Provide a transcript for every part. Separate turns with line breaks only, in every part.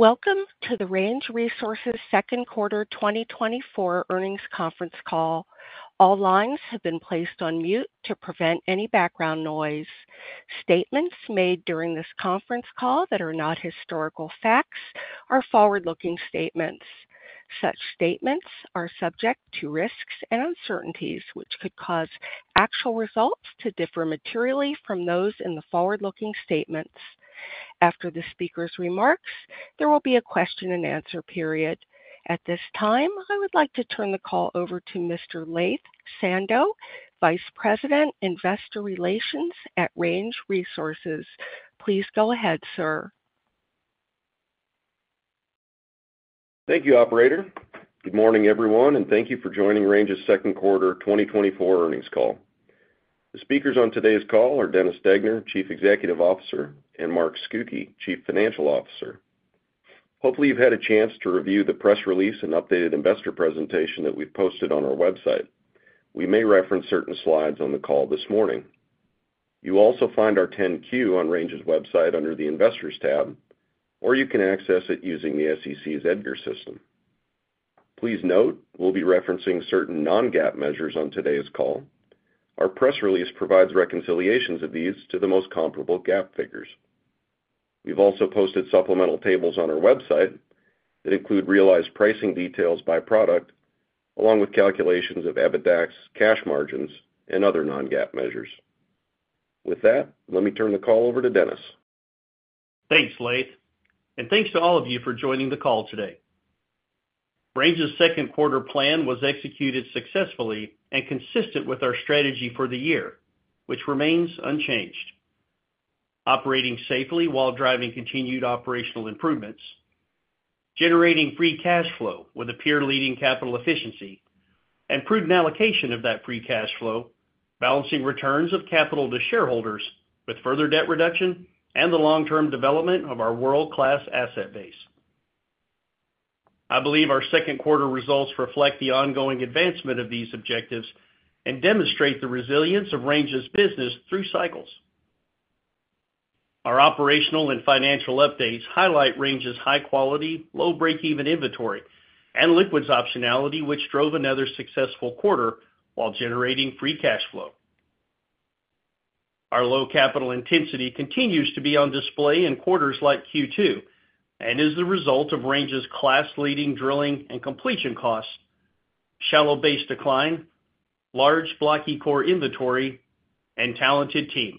Welcome to the Range Resources second quarter 2024 earnings conference Call. All lines have been placed on mute to prevent any background noise. Statements made during this conference call that are not historical facts are forward-looking statements. Such statements are subject to risks and uncertainties, which could cause actual results to differ materially from those in the forward-looking statements. After the speaker's remarks, there will be a question-and-answer period. At this time, I would like to turn the call over to Mr. Laith Sando, Vice President, Investor Relations at Range Resources. Please go ahead, sir.
Thank you, operator. Good morning, everyone, and thank you for joining Range's second quarter 2024 earnings call. The speakers on today's call are Dennis Degner, Chief Executive Officer, and Mark Scucchi, Chief Financial Officer. Hopefully, you've had a chance to review the press release and updated investor presentation that we've posted on our website. We may reference certain slides on the call this morning. You'll also find our 10-Q on Range's website under the Investors tab, or you can access it using the SEC's EDGAR system. Please note, we'll be referencing certain non-GAAP measures on today's call. Our press release provides reconciliations of these to the most comparable GAAP figures. We've also posted supplemental tables on our website that include realized pricing details by product, along with calculations of EBITDAX, cash margins, and other non-GAAP measures. With that, let me turn the call over to Dennis.
Thanks, Leith, and thanks to all of you for joining the call today. Range's second quarter plan was executed successfully and consistent with our strategy for the year, which remains unchanged. Operating safely while driving continued operational improvements, generating free cash flow with a peer-leading capital efficiency and prudent allocation of that free cash flow, balancing returns of capital to shareholders with further debt reduction and the long-term development of our world-class asset base. I believe our second quarter results reflect the ongoing advancement of these objectives and demonstrate the resilience of Range's business through cycles. Our operational and financial updates highlight Range's high quality, low break-even inventory and liquids optionality, which drove another successful quarter while generating free cash flow. Our low capital intensity continues to be on display in quarters like Q2 and is the result of Range's class-leading drilling and completion costs, shallow base decline, large blocky core inventory, and talented team.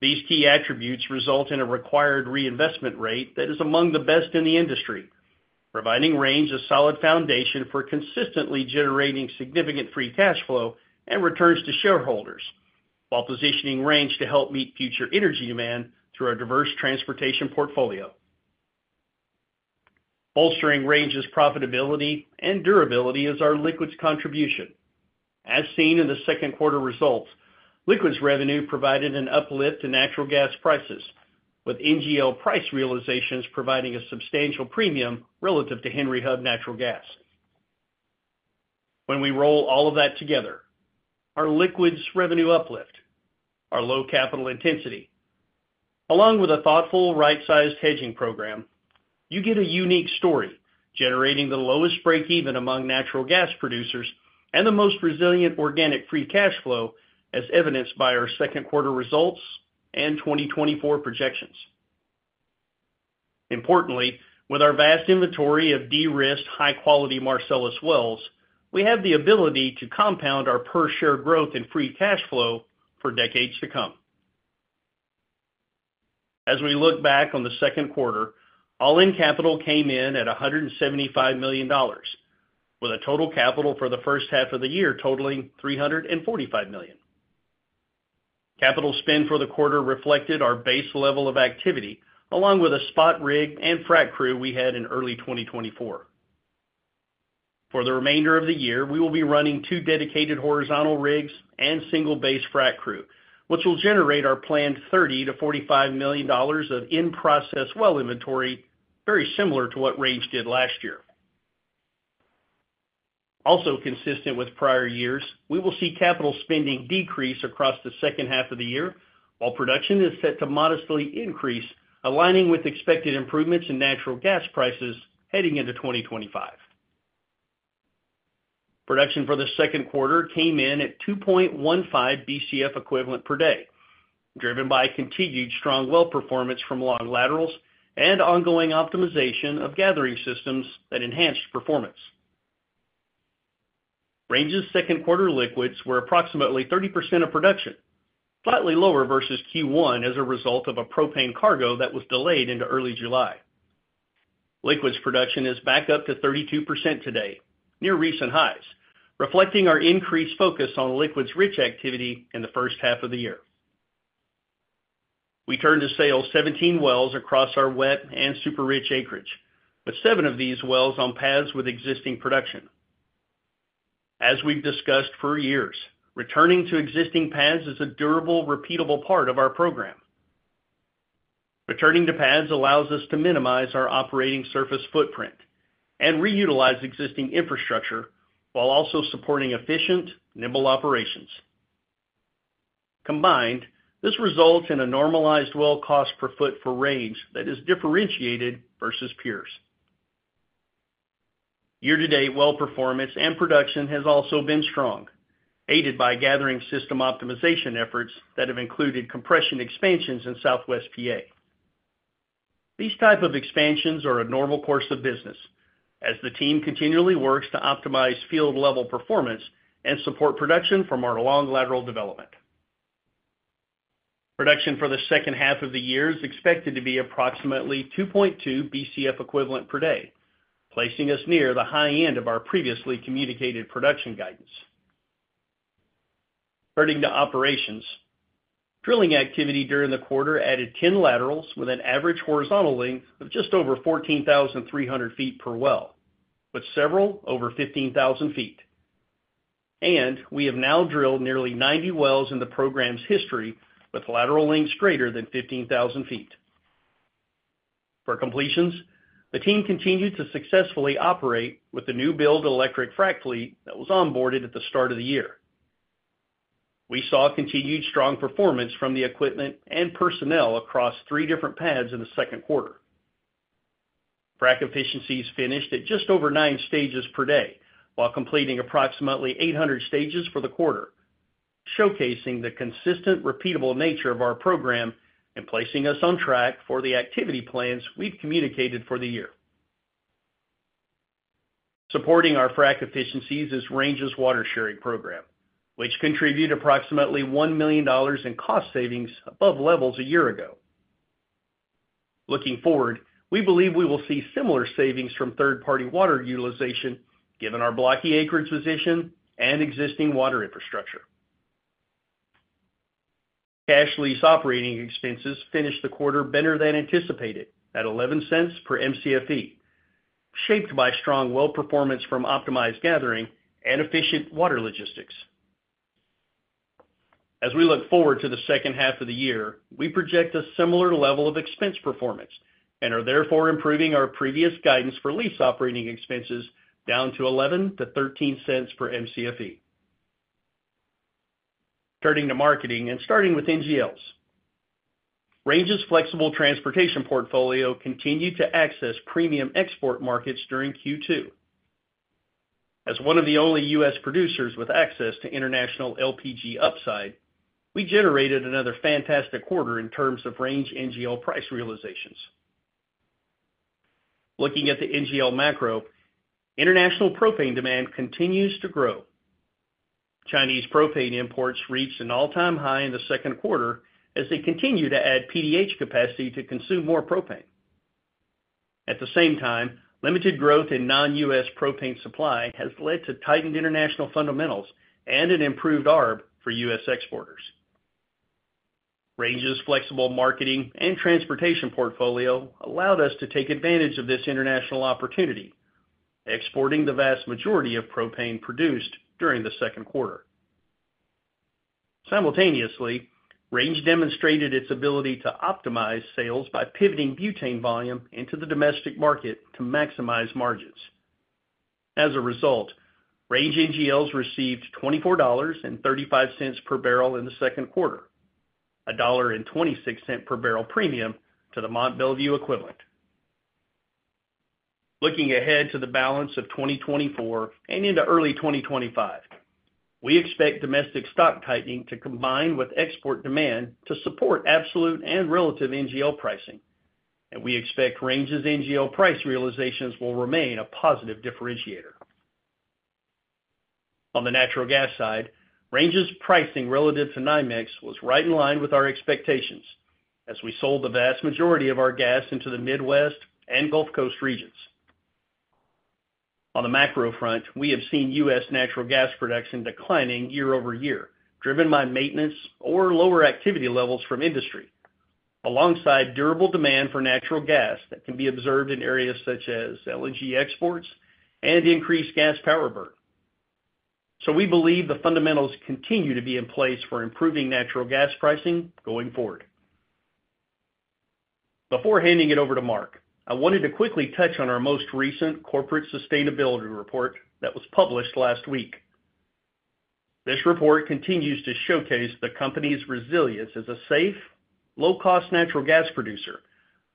These key attributes result in a required reinvestment rate that is among the best in the industry, providing Range a solid foundation for consistently generating significant free cash flow and returns to shareholders, while positioning Range to help meet future energy demand through our diverse transportation portfolio. Bolstering Range's profitability and durability is our liquids contribution. As seen in the second quarter results, liquids revenue provided an uplift to natural gas prices, with NGL price realizations providing a substantial premium relative to Henry Hub natural gas. When we roll all of that together, our liquids revenue uplift, our low capital intensity, along with a thoughtful, right-sized hedging program, you get a unique story, generating the lowest breakeven among natural gas producers and the most resilient organic free cash flow, as evidenced by our second quarter results and 2024 projections. Importantly, with our vast inventory of de-risked, high-quality Marcellus wells, we have the ability to compound our per share growth in free cash flow for decades to come. As we look back on the second quarter, all-in capital came in at $175 million, with a total capital for the first half of the year totaling $345 million. Capital spend for the quarter reflected our base level of activity, along with a spot rig and frack crew we had in early 2024. For the remainder of the year, we will be running two dedicated horizontal rigs and single base frack crew, which will generate our planned $30 million-$45 million of in-process well inventory, very similar to what Range did last year. Also consistent with prior years, we will see capital spending decrease across the second half of the year, while production is set to modestly increase, aligning with expected improvements in natural gas prices heading into 2025. Production for the second quarter came in at 2.15 BCF equivalent per day, driven by continued strong well-performance from long laterals and ongoing optimization of gathering systems that enhanced performance. Range's second quarter liquids were approximately 30% of production, slightly lower versus Q1 as a result of a propane cargo that was delayed into early July. Liquids production is back up to 32% today, near recent highs, reflecting our increased focus on liquids-rich activity in the first half of the year. We turned to sales 17 wells across our wet and super-rich acreage, with 7 of these wells on pads with existing production. As we've discussed for years, returning to existing pads is a durable, repeatable part of our program. Returning to pads allows us to minimize our operating surface footprint and reutilize existing infrastructure while also supporting efficient, nimble operations. Combined, this results in a normalized well cost per foot for Range that is differentiated versus peers. Year-to-date, well-performance and production has also been strong, aided by gathering system optimization efforts that have included compression expansions in Southwest PA. These type of expansions are a normal course of business, as the team continually works to optimize field-level performance and support production from our long lateral development. Production for the second half of the year is expected to be approximately 2.2 BCF equivalent per day, placing us near the high end of our previously communicated production guidance. Turning to operations, drilling activity during the quarter added 10 laterals with an average horizontal length of just over 14,300 ft per well, with several over 15,000 ft. We have now drilled nearly 90 wells in the program's history with lateral lengths greater than 15,000 ft. For completions, the team continued to successfully operate with the new build electric frack fleet that was onboarded at the start of the year. We saw continued strong performance from the equipment and personnel across three different pads in the second quarter. Frack efficiencies finished at just over nine stages per day, while completing approximately 800 stages for the quarter, showcasing the consistent, repeatable nature of our program and placing us on track for the activity plans we've communicated for the year. Supporting our frack efficiencies is Range's water sharing program, which contributed approximately $1 million in cost savings above levels a year ago. Looking forward, we believe we will see similar savings from third-party water utilization, given our blocky acreage position and existing water infrastructure. Cash lease operating expenses finished the quarter better than anticipated at $0.11 per Mcfe, shaped by strong well-performance from optimized gathering and efficient water logistics. As we look forward to the second half of the year, we project a similar level of expense performance and are therefore improving our previous guidance for lease operating expenses down to $0.11-$0.13 per Mcfe. Turning to marketing and starting with NGLs. Range's flexible transportation portfolio continued to access premium export markets during Q2. As one of the only U.S. producers with access to international LPG upside, we generated another fantastic quarter in terms of Range NGL price realizations. Looking at the NGL macro, international propane demand continues to grow. Chinese propane imports reached an all-time high in the second quarter as they continue to add PDH capacity to consume more propane. At the same time, limited growth in non-U.S. propane supply has led to tightened international fundamentals and an improved ARB for U.S. exporters. Range's flexible marketing and transportation portfolio allowed us to take advantage of this international opportunity, exporting the vast majority of propane produced during the second quarter. Simultaneously, Range demonstrated its ability to optimize sales by pivoting butane volume into the domestic market to maximize margins. As a result, Range NGLs received $24.35 per barrel in the second quarter, a $1.26 per barrel premium to the Mont Belvieu equivalent. Looking ahead to the balance of 2024 and into early 2025, we expect domestic stock tightening to combine with export demand to support absolute and relative NGL pricing, and we expect Range's NGL price realizations will remain a positive differentiator. On the natural gas side, Range's pricing relative to NYMEX was right in line with our expectations as we sold the vast majority of our gas into the Midwest and Gulf Coast regions. On the macro front, we have seen U.S. natural gas production declining year-over-year, driven by maintenance or lower activity levels from industry, alongside durable demand for natural gas that can be observed in areas such as LNG exports and increased gas power burn. We believe the fundamentals continue to be in place for improving natural gas pricing going forward. Before handing it over to Mark, I wanted to quickly touch on our most recent corporate sustainability report that was published last week. This report continues to showcase the company's resilience as a safe, low-cost natural gas producer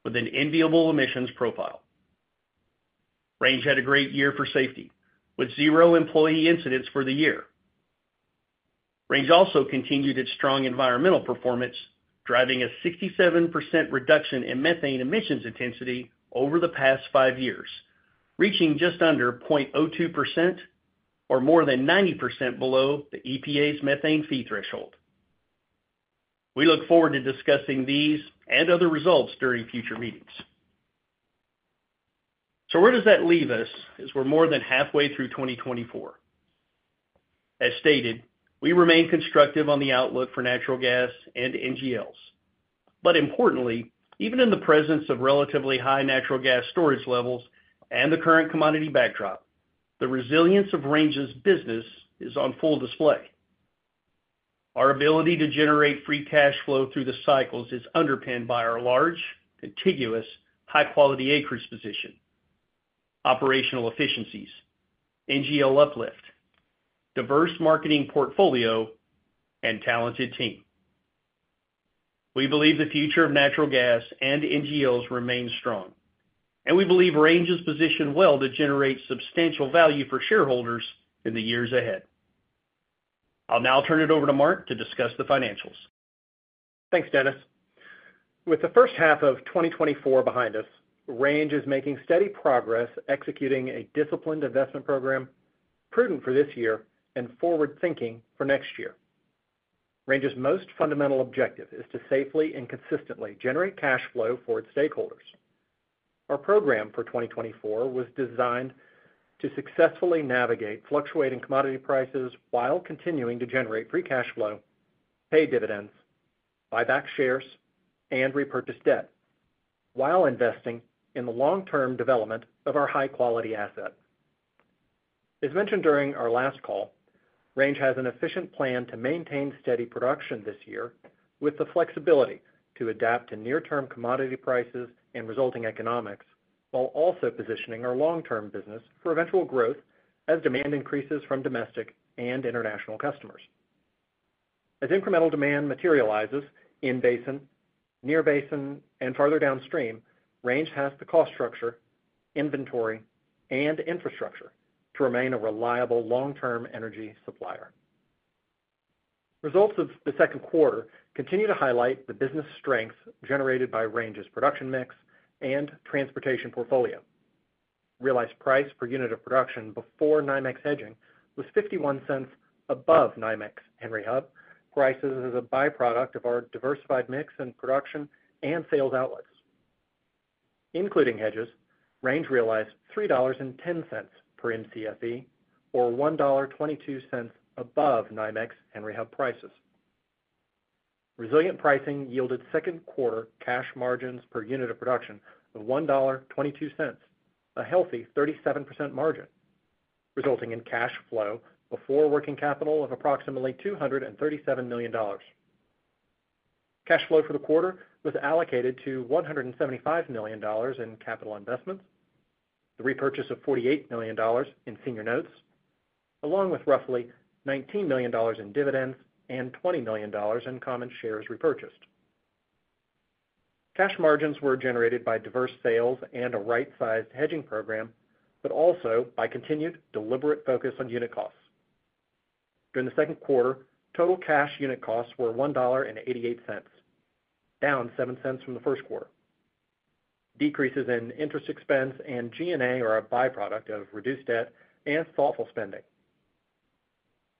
with an enviable emissions profile. Range had a great year for safety, with zero employee incidents for the year. Range also continued its strong environmental performance, driving a 67% reduction in methane emissions intensity over the past five years, reaching just under 0.02% or more than 90% below the EPA's methane fee threshold. We look forward to discussing these and other results during future meetings. So where does that leave us as we're more than halfway through 2024? As stated, we remain constructive on the outlook for natural gas and NGLs. But importantly, even in the presence of relatively high natural gas storage levels and the current commodity backdrop, the resilience of Range's business is on full display. Our ability to generate free cash flow through the cycles is underpinned by our large, contiguous, high-quality acreage position, operational efficiencies, NGL uplift, diverse marketing portfolio, and talented team. We believe the future of natural gas and NGLs remains strong, and we believe Range is positioned well to generate substantial value for shareholders in the years ahead. I'll now turn it over to Mark to discuss the financials.
Thanks, Dennis. With the first half of 2024 behind us, Range is making steady progress executing a disciplined investment program, prudent for this year and forward-thinking for next year. Range's most fundamental objective is to safely and consistently generate cash flow for its stakeholders. Our program for 2024 was designed to successfully navigate fluctuating commodity prices while continuing to generate free cash flow, pay dividends, buy back shares, and repurchase debt, while investing in the long-term development of our high-quality assets. As mentioned during our last call, Range has an efficient plan to maintain steady production this year, with the flexibility to adapt to near-term commodity prices and resulting economics, while also positioning our long-term business for eventual growth as demand increases from domestic and international customers. As incremental demand materializes in basin, near basin, and farther downstream, Range has the cost structure, inventory, and infrastructure to remain a reliable, long-term energy supplier. Results of the second quarter continue to highlight the business strength generated by Range's production mix and transportation portfolio. Realized price per unit of production before NYMEX hedging was $0.51 above NYMEX Henry Hub. Price is a byproduct of our diversified mix in production and sales outlets. Including hedges, Range realized $3.10 per Mcfe, or $1.22 above NYMEX Henry Hub prices. Resilient pricing yielded second quarter cash margins per unit of production of $1.22, a healthy 37% margin, resulting in cash flow before working capital of approximately $237 million. Cash flow for the quarter was allocated to $175 million in capital investments, the repurchase of $48 million in senior notes, along with roughly $19 million in dividends and $20 million in common shares repurchased. Cash margins were generated by diverse sales and a right-sized hedging program, but also by continued deliberate focus on unit costs. During the second quarter, total cash unit costs were $1.88, down $0.70 from the first quarter. Decreases in interest expense and G&A are a byproduct of reduced debt and thoughtful spending.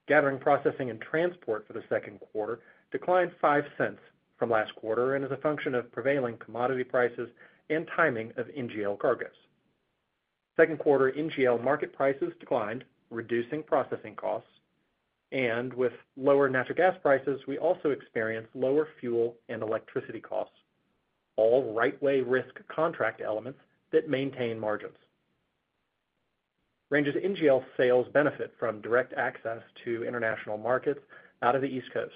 Gathering, processing, and transport for the second quarter declined 5 cents from last quarter and is a function of prevailing commodity prices and timing of NGL cargoes. Second quarter NGL market prices declined, reducing processing costs, and with lower natural gas prices, we also experienced lower fuel and electricity costs, all right-of-way risk contract elements that maintain margins. Range's NGL sales benefit from direct access to international markets out of the East Coast.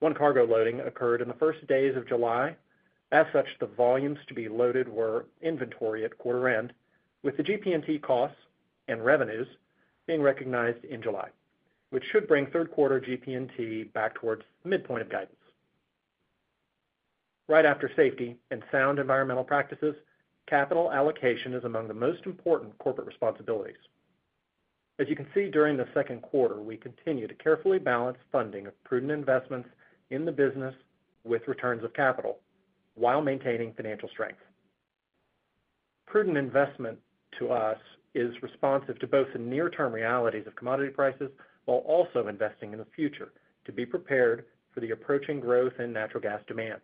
One cargo loading occurred in the first days of July. As such, the volumes to be loaded were inventory at quarter end, with the GP&T costs and revenues being recognized in July, which should bring third quarter GP&T back towards the midpoint of guidance. Right after safety and sound environmental practices, capital allocation is among the most important corporate responsibilities. As you can see, during the second quarter, we continued to carefully balance funding of prudent investments in the business with returns of capital while maintaining financial strength. Prudent investment, to us, is responsive to both the near-term realities of commodity prices while also investing in the future to be prepared for the approaching growth in natural gas demand.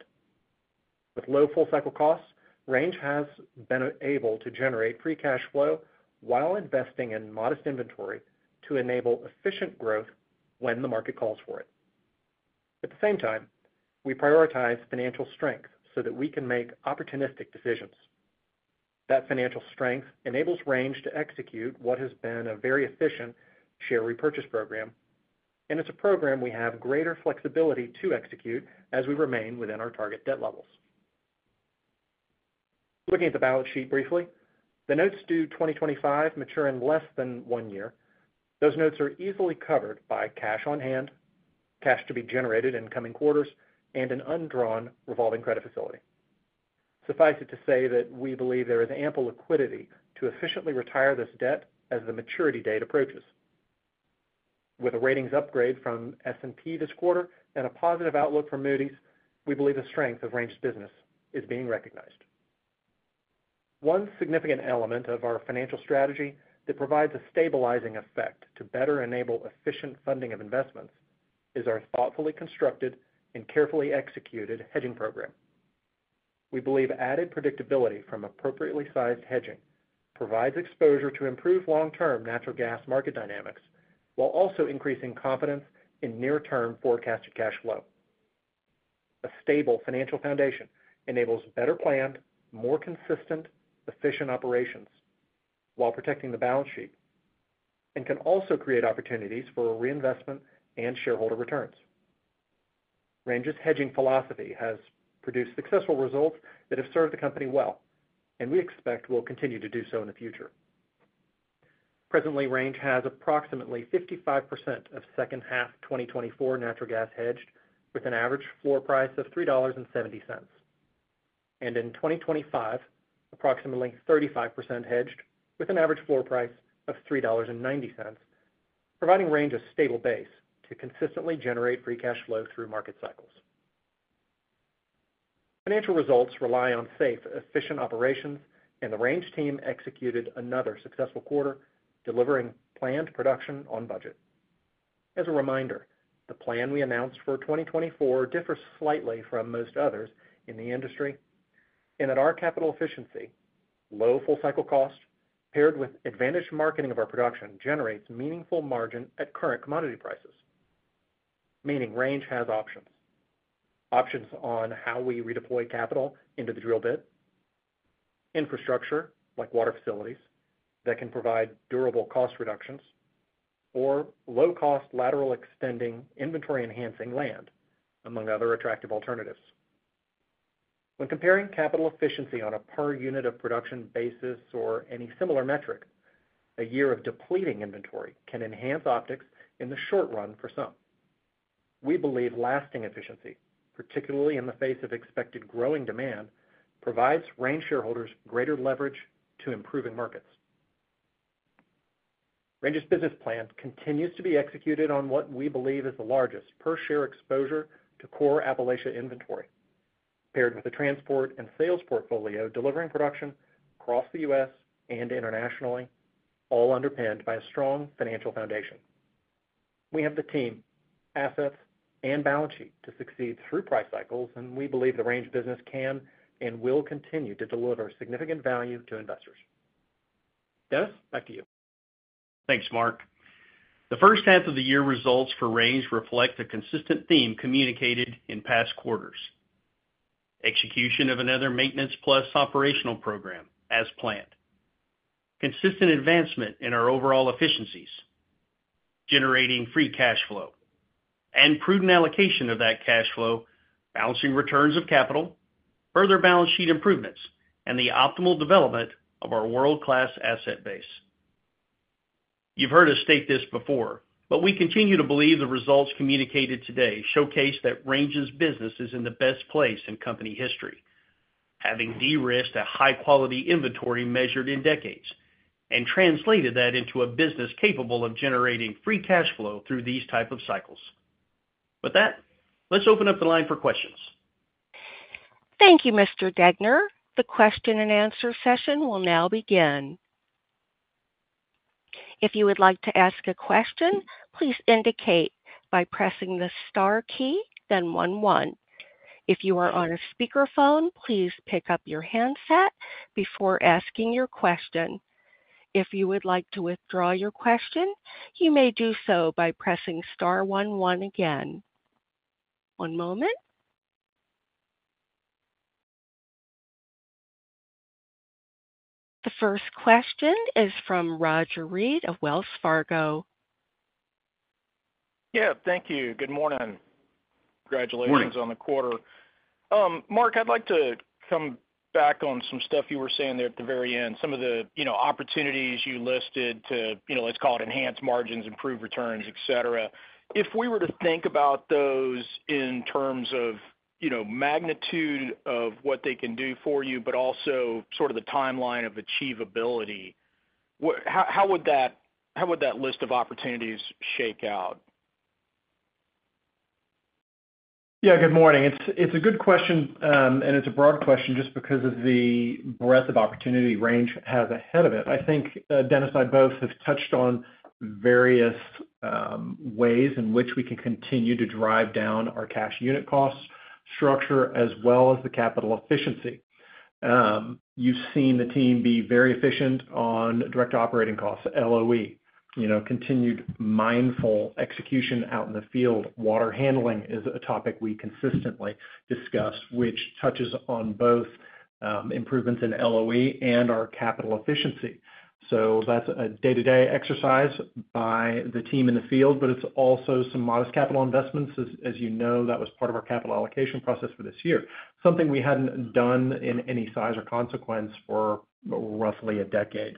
With low full-cycle costs, Range has been able to generate free cash flow while investing in modest inventory to enable efficient growth when the market calls for it. At the same time, we prioritize financial strength so that we can make opportunistic decisions. That financial strength enables Range to execute what has been a very efficient share repurchase program, and it's a program we have greater flexibility to execute as we remain within our target debt levels. Looking at the balance sheet briefly, the notes due 2025 mature in less than one year. Those notes are easily covered by cash on hand, cash to be generated in coming quarters, and an undrawn revolving credit facility. Suffice it to say that we believe there is ample liquidity to efficiently retire this debt as the maturity date approaches. With a ratings upgrade from S&P this quarter and a positive outlook from Moody's, we believe the strength of Range's business is being recognized. One significant element of our financial strategy that provides a stabilizing effect to better enable efficient funding of investments is our thoughtfully constructed and carefully executed hedging program. We believe added predictability from appropriately sized hedging provides exposure to improved long-term natural gas market dynamics, while also increasing confidence in near-term forecasted cash flow. A stable financial foundation enables better planned, more consistent, efficient operations while protecting the balance sheet and can also create opportunities for reinvestment and shareholder returns.... Range's hedging philosophy has produced successful results that have served the company well, and we expect will continue to do so in the future. Presently, Range has approximately 55% of second half 2024 natural gas hedged, with an average floor price of $3.70. And in 2025, approximately 35% hedged, with an average floor price of $3.90, providing Range a stable base to consistently generate free cash flow through market cycles. Financial results rely on safe, efficient operations, and the Range team executed another successful quarter, delivering planned production on budget. As a reminder, the plan we announced for 2024 differs slightly from most others in the industry, and at our capital efficiency, low full cycle cost, paired with advantaged marketing of our production, generates meaningful margin at current commodity prices, meaning Range has options. Options on how we redeploy capital into the drill bit, infrastructure, like water facilities, that can provide durable cost reductions, or low-cost, lateral-extending, inventory-enhancing land, among other attractive alternatives. When comparing capital efficiency on a per unit of production basis or any similar metric, a year of depleting inventory can enhance optics in the short run for some. We believe lasting efficiency, particularly in the face of expected growing demand, provides Range shareholders greater leverage to improving markets. Range's business plan continues to be executed on what we believe is the largest per share exposure to core Appalachia inventory, paired with a transport and sales portfolio, delivering production across the U.S. and internationally, all underpinned by a strong financial foundation. We have the team, assets, and balance sheet to succeed through price cycles, and we believe the Range business can and will continue to deliver significant value to investors. Dennis, back to you.
Thanks, Mark. The first half of the year results for Range reflect a consistent theme communicated in past quarters: execution of another maintenance plus operational program as planned, consistent advancement in our overall efficiencies, generating free cash flow, and prudent allocation of that cash flow, balancing returns of capital, further balance sheet improvements, and the optimal development of our world-class asset base. You've heard us state this before, but we continue to believe the results communicated today showcase that Range's business is in the best place in company history, having de-risked a high-quality inventory measured in decades and translated that into a business capable of generating free cash flow through these type of cycles. With that, let's open up the line for questions.
Thank you, Mr. Degner. The question and answer session will now begin. If you would like to ask a question, please indicate by pressing the star key, then one, one. If you are on a speakerphone, please pick up your handset before asking your question. If you would like to withdraw your question, you may do so by pressing star one, one again. One moment. The first question is from Roger Read of Wells Fargo.
Yeah, thank you. Good morning.
Morning.
Congratulations on the quarter. Mark, I'd like to come back on some stuff you were saying there at the very end, some of the, you know, opportunities you listed to, you know, let's call it enhanced margins, improved returns, et cetera. If we were to think about those in terms of, you know, magnitude of what they can do for you, but also sort of the timeline of achievability, what, how would that list of opportunities shake out?
Yeah, good morning. It's a good question, and it's a broad question just because of the breadth of opportunity Range has ahead of it. I think, Dennis and I both have touched on various ways in which we can continue to drive down our cash unit cost structure, as well as the capital efficiency. You've seen the team be very efficient on direct operating costs, LOE, you know, continued mindful execution out in the field. Water handling is a topic we consistently discuss, which touches on both improvements in LOE and our capital efficiency. So that's a day-to-day exercise by the team in the field, but it's also some modest capital investments. As you know, that was part of our capital allocation process for this year, something we hadn't done in any size or consequence for roughly a decade.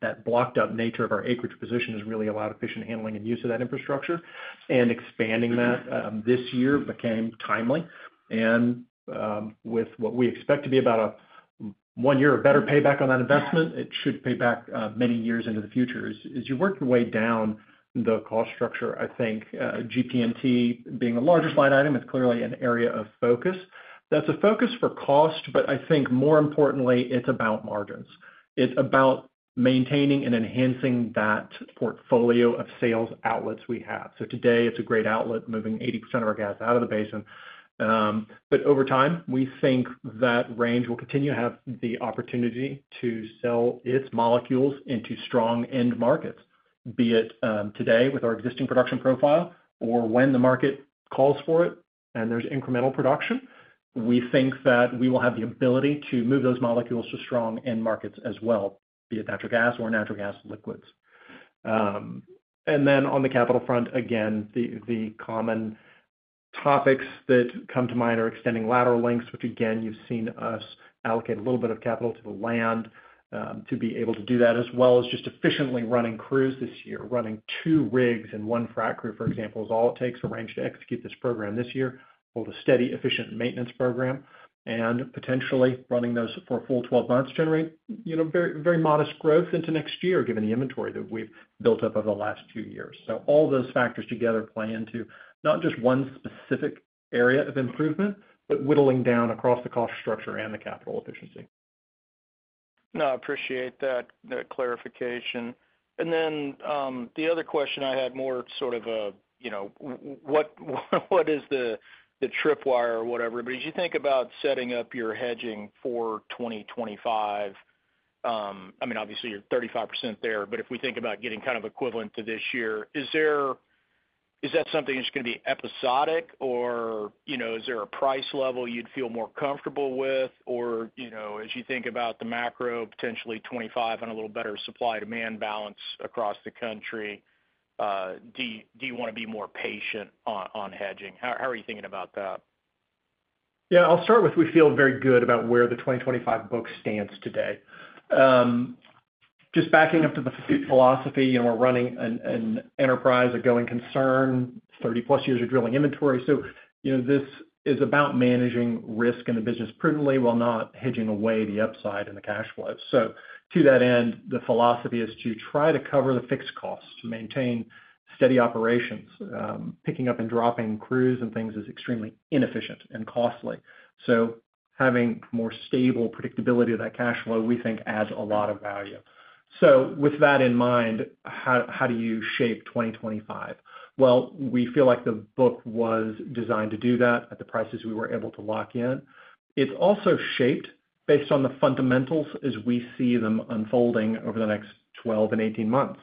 That blocked up nature of our acreage position has really allowed efficient handling and use of that infrastructure, and expanding that, this year became timely. And, with what we expect to be about a one year or better payback on that investment, it should pay back, many years into the future. As you work your way down the cost structure, I think, GP&T, being the largest line item, is clearly an area of focus. That's a focus for cost, but I think more importantly, it's about margins. It's about maintaining and enhancing that portfolio of sales outlets we have. So today, it's a great outlet, moving 80% of our gas out of the basin. But over time, we think that Range will continue to have the opportunity to sell its molecules into strong end markets, be it today with our existing production profile, or when the market calls for it and there's incremental production. We think that we will have the ability to move those molecules to strong end markets as well, be it natural gas or natural gas liquids. And then on the capital front, again, the common topics that come to mind are extending lateral lengths, which again, you've seen us allocate a little bit of capital to the land, to be able to do that, as well as just efficiently running crews this year. Running two rigs and one frack crew, for example, is all it takes to arrange to execute this program this year, hold a steady, efficient maintenance program, and potentially running those for a full 12 months, generate, you know, very, very modest growth into next year, given the inventory that we've built up over the last two years. So all those factors together play into not just one specific area of improvement, but whittling down across the cost structure and the capital efficiency.
No, I appreciate that, that clarification. And then, the other question I had more sort of a, you know, what, what is the, the tripwire or whatever. But as you think about setting up your hedging for 2025, I mean, obviously, you're 35% there, but if we think about getting kind of equivalent to this year, is there, is that something that's gonna be episodic, or, you know, is there a price level you'd feel more comfortable with? Or, you know, as you think about the macro, potentially 2025 and a little better supply-demand balance across the country, do you wanna be more patient on hedging? How are you thinking about that?
Yeah, I'll start with, we feel very good about where the 2025 book stands today. Just backing up to the philosophy, you know, we're running an enterprise, a going concern, 30+ years of drilling inventory. So, you know, this is about managing risk in the business prudently, while not hedging away the upside in the cash flow. So to that end, the philosophy is to try to cover the fixed costs, to maintain steady operations. Picking up and dropping crews and things is extremely inefficient and costly. So having more stable predictability of that cash flow, we think adds a lot of value. So with that in mind, how do you shape 2025? Well, we feel like the book was designed to do that at the prices we were able to lock in. It's also shaped based on the fundamentals as we see them unfolding over the next 12 and 18 months.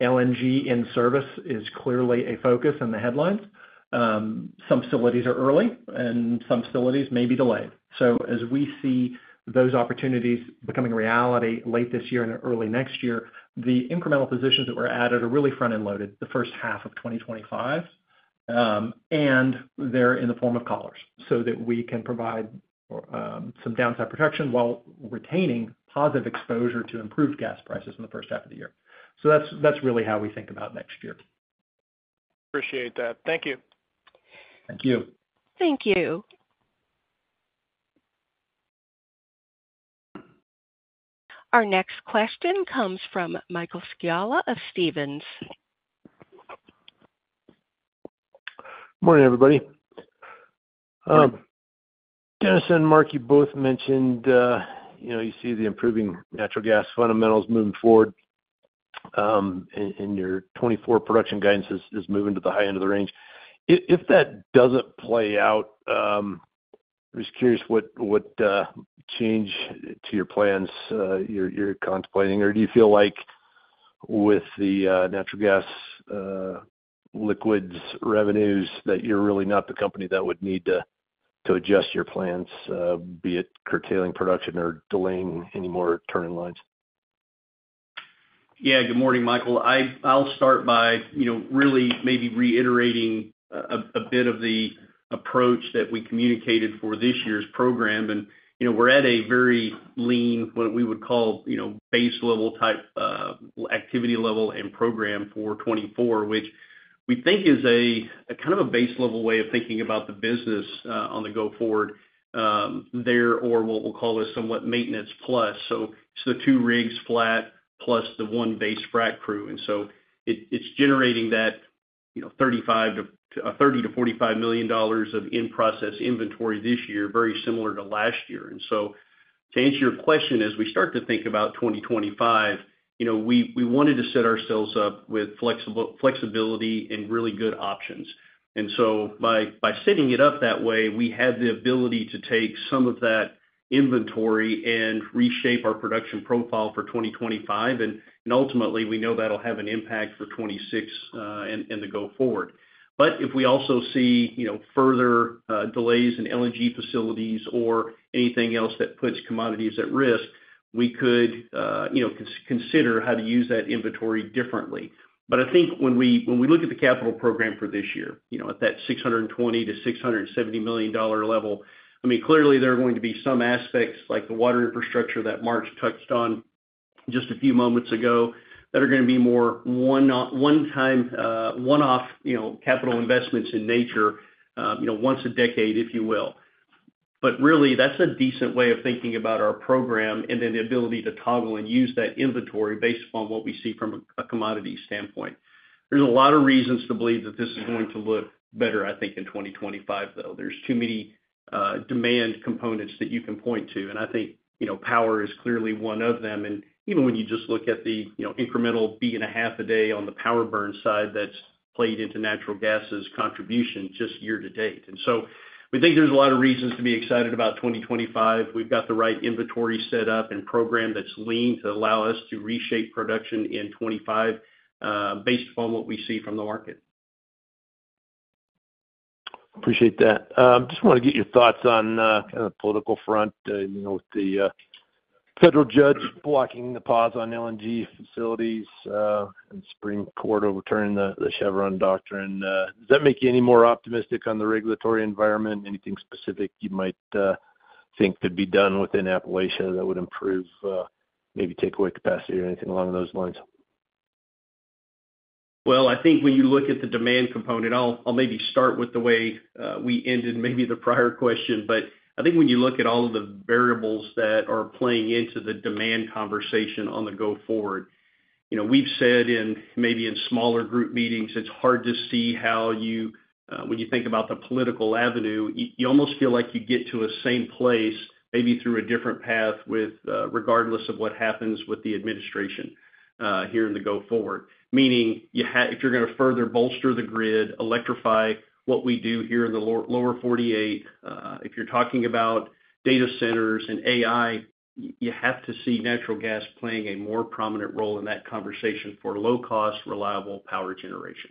LNG in service is clearly a focus in the headlines. Some facilities are early, and some facilities may be delayed. So as we see those opportunities becoming a reality late this year and early next year, the incremental positions that were added are really front-end loaded, the first half of 2025. And they're in the form of collars, so that we can provide some downside protection while retaining positive exposure to improved gas prices in the first half of the year. So that's, that's really how we think about next year.
Appreciate that. Thank you.
Thank you.
Thank you. Our next question comes from Michael Scialla of Stephens.
Good morning, everybody. Dennis and Mark, you both mentioned, you know, you see the improving natural gas fundamentals moving forward, and, and your 2024 production guidance is, is moving to the high end of the range. If, if that doesn't play out, just curious what, what change to your plans, you're, you're contemplating? Or do you feel like with the, natural gas liquids revenues, that you're really not the company that would need to, to adjust your plans, be it curtailing production or delaying any more turn-in-lines?
Yeah. Good morning, Michael. I'll start by, you know, really maybe reiterating a bit of the approach that we communicated for this year's program. You know, we're at a very lean, what we would call, you know, base-level type activity level and program for 2024, which we think is a kind of a base level way of thinking about the business on the go forward, or what we'll call a somewhat maintenance plus. So it's the two rigs flat, plus the one base frack crew. And so it's generating that, you know, $30 million-$45 million of in-process inventory this year, very similar to last year. And so to answer your question, as we start to think about 2025, you know, we wanted to set ourselves up with flexibility and really good options. And so by setting it up that way, we had the ability to take some of that inventory and reshape our production profile for 2025, and ultimately, we know that'll have an impact for 2026 and the go forward. But if we also see, you know, further delays in LNG facilities or anything else that puts commodities at risk, we could, you know, consider how to use that inventory differently. But I think when we look at the capital program for this year, you know, at that $620 million-$670 million level, I mean, clearly there are going to be some aspects, like the water infrastructure that Mark touched on just a few moments ago, that are gonna be more one, one time, one-off, you know, capital investments in nature, you know, once a decade, if you will. But really, that's a decent way of thinking about our program and then the ability to toggle and use that inventory based upon what we see from a, a commodity standpoint. There's a lot of reasons to believe that this is going to look better, I think, in 2025, though. There's too many, demand components that you can point to, and I think, you know, power is clearly one of them. And even when you just look at the, you know, incremental 1.5 B a day on the power burn side, that's played into natural gas's contribution just year-to-date. And so we think there's a lot of reasons to be excited about 2025. We've got the right inventory set up and program that's lean to allow us to reshape production in 2025, based upon what we see from the market.
Appreciate that. Just want to get your thoughts on, kind of the political front, you know, with the, federal judge blocking the pause on LNG facilities, and the Supreme Court overturning the, the Chevron doctrine. Does that make you any more optimistic on the regulatory environment? Anything specific you might, think could be done within Appalachia that would improve, maybe takeaway capacity or anything along those lines?
Well, I think when you look at the demand component, I'll maybe start with the way we ended maybe the prior question. But I think when you look at all of the variables that are playing into the demand conversation on the go forward, you know, we've said in, maybe in smaller group meetings, it's hard to see how you, when you think about the political avenue, you almost feel like you get to the same place, maybe through a different path with, regardless of what happens with the administration, here in the go forward. Meaning, if you're gonna further bolster the grid, electrify what we do here in the Lower 48, if you're talking about data centers and AI, you have to see natural gas playing a more prominent role in that conversation for low cost, reliable power generation.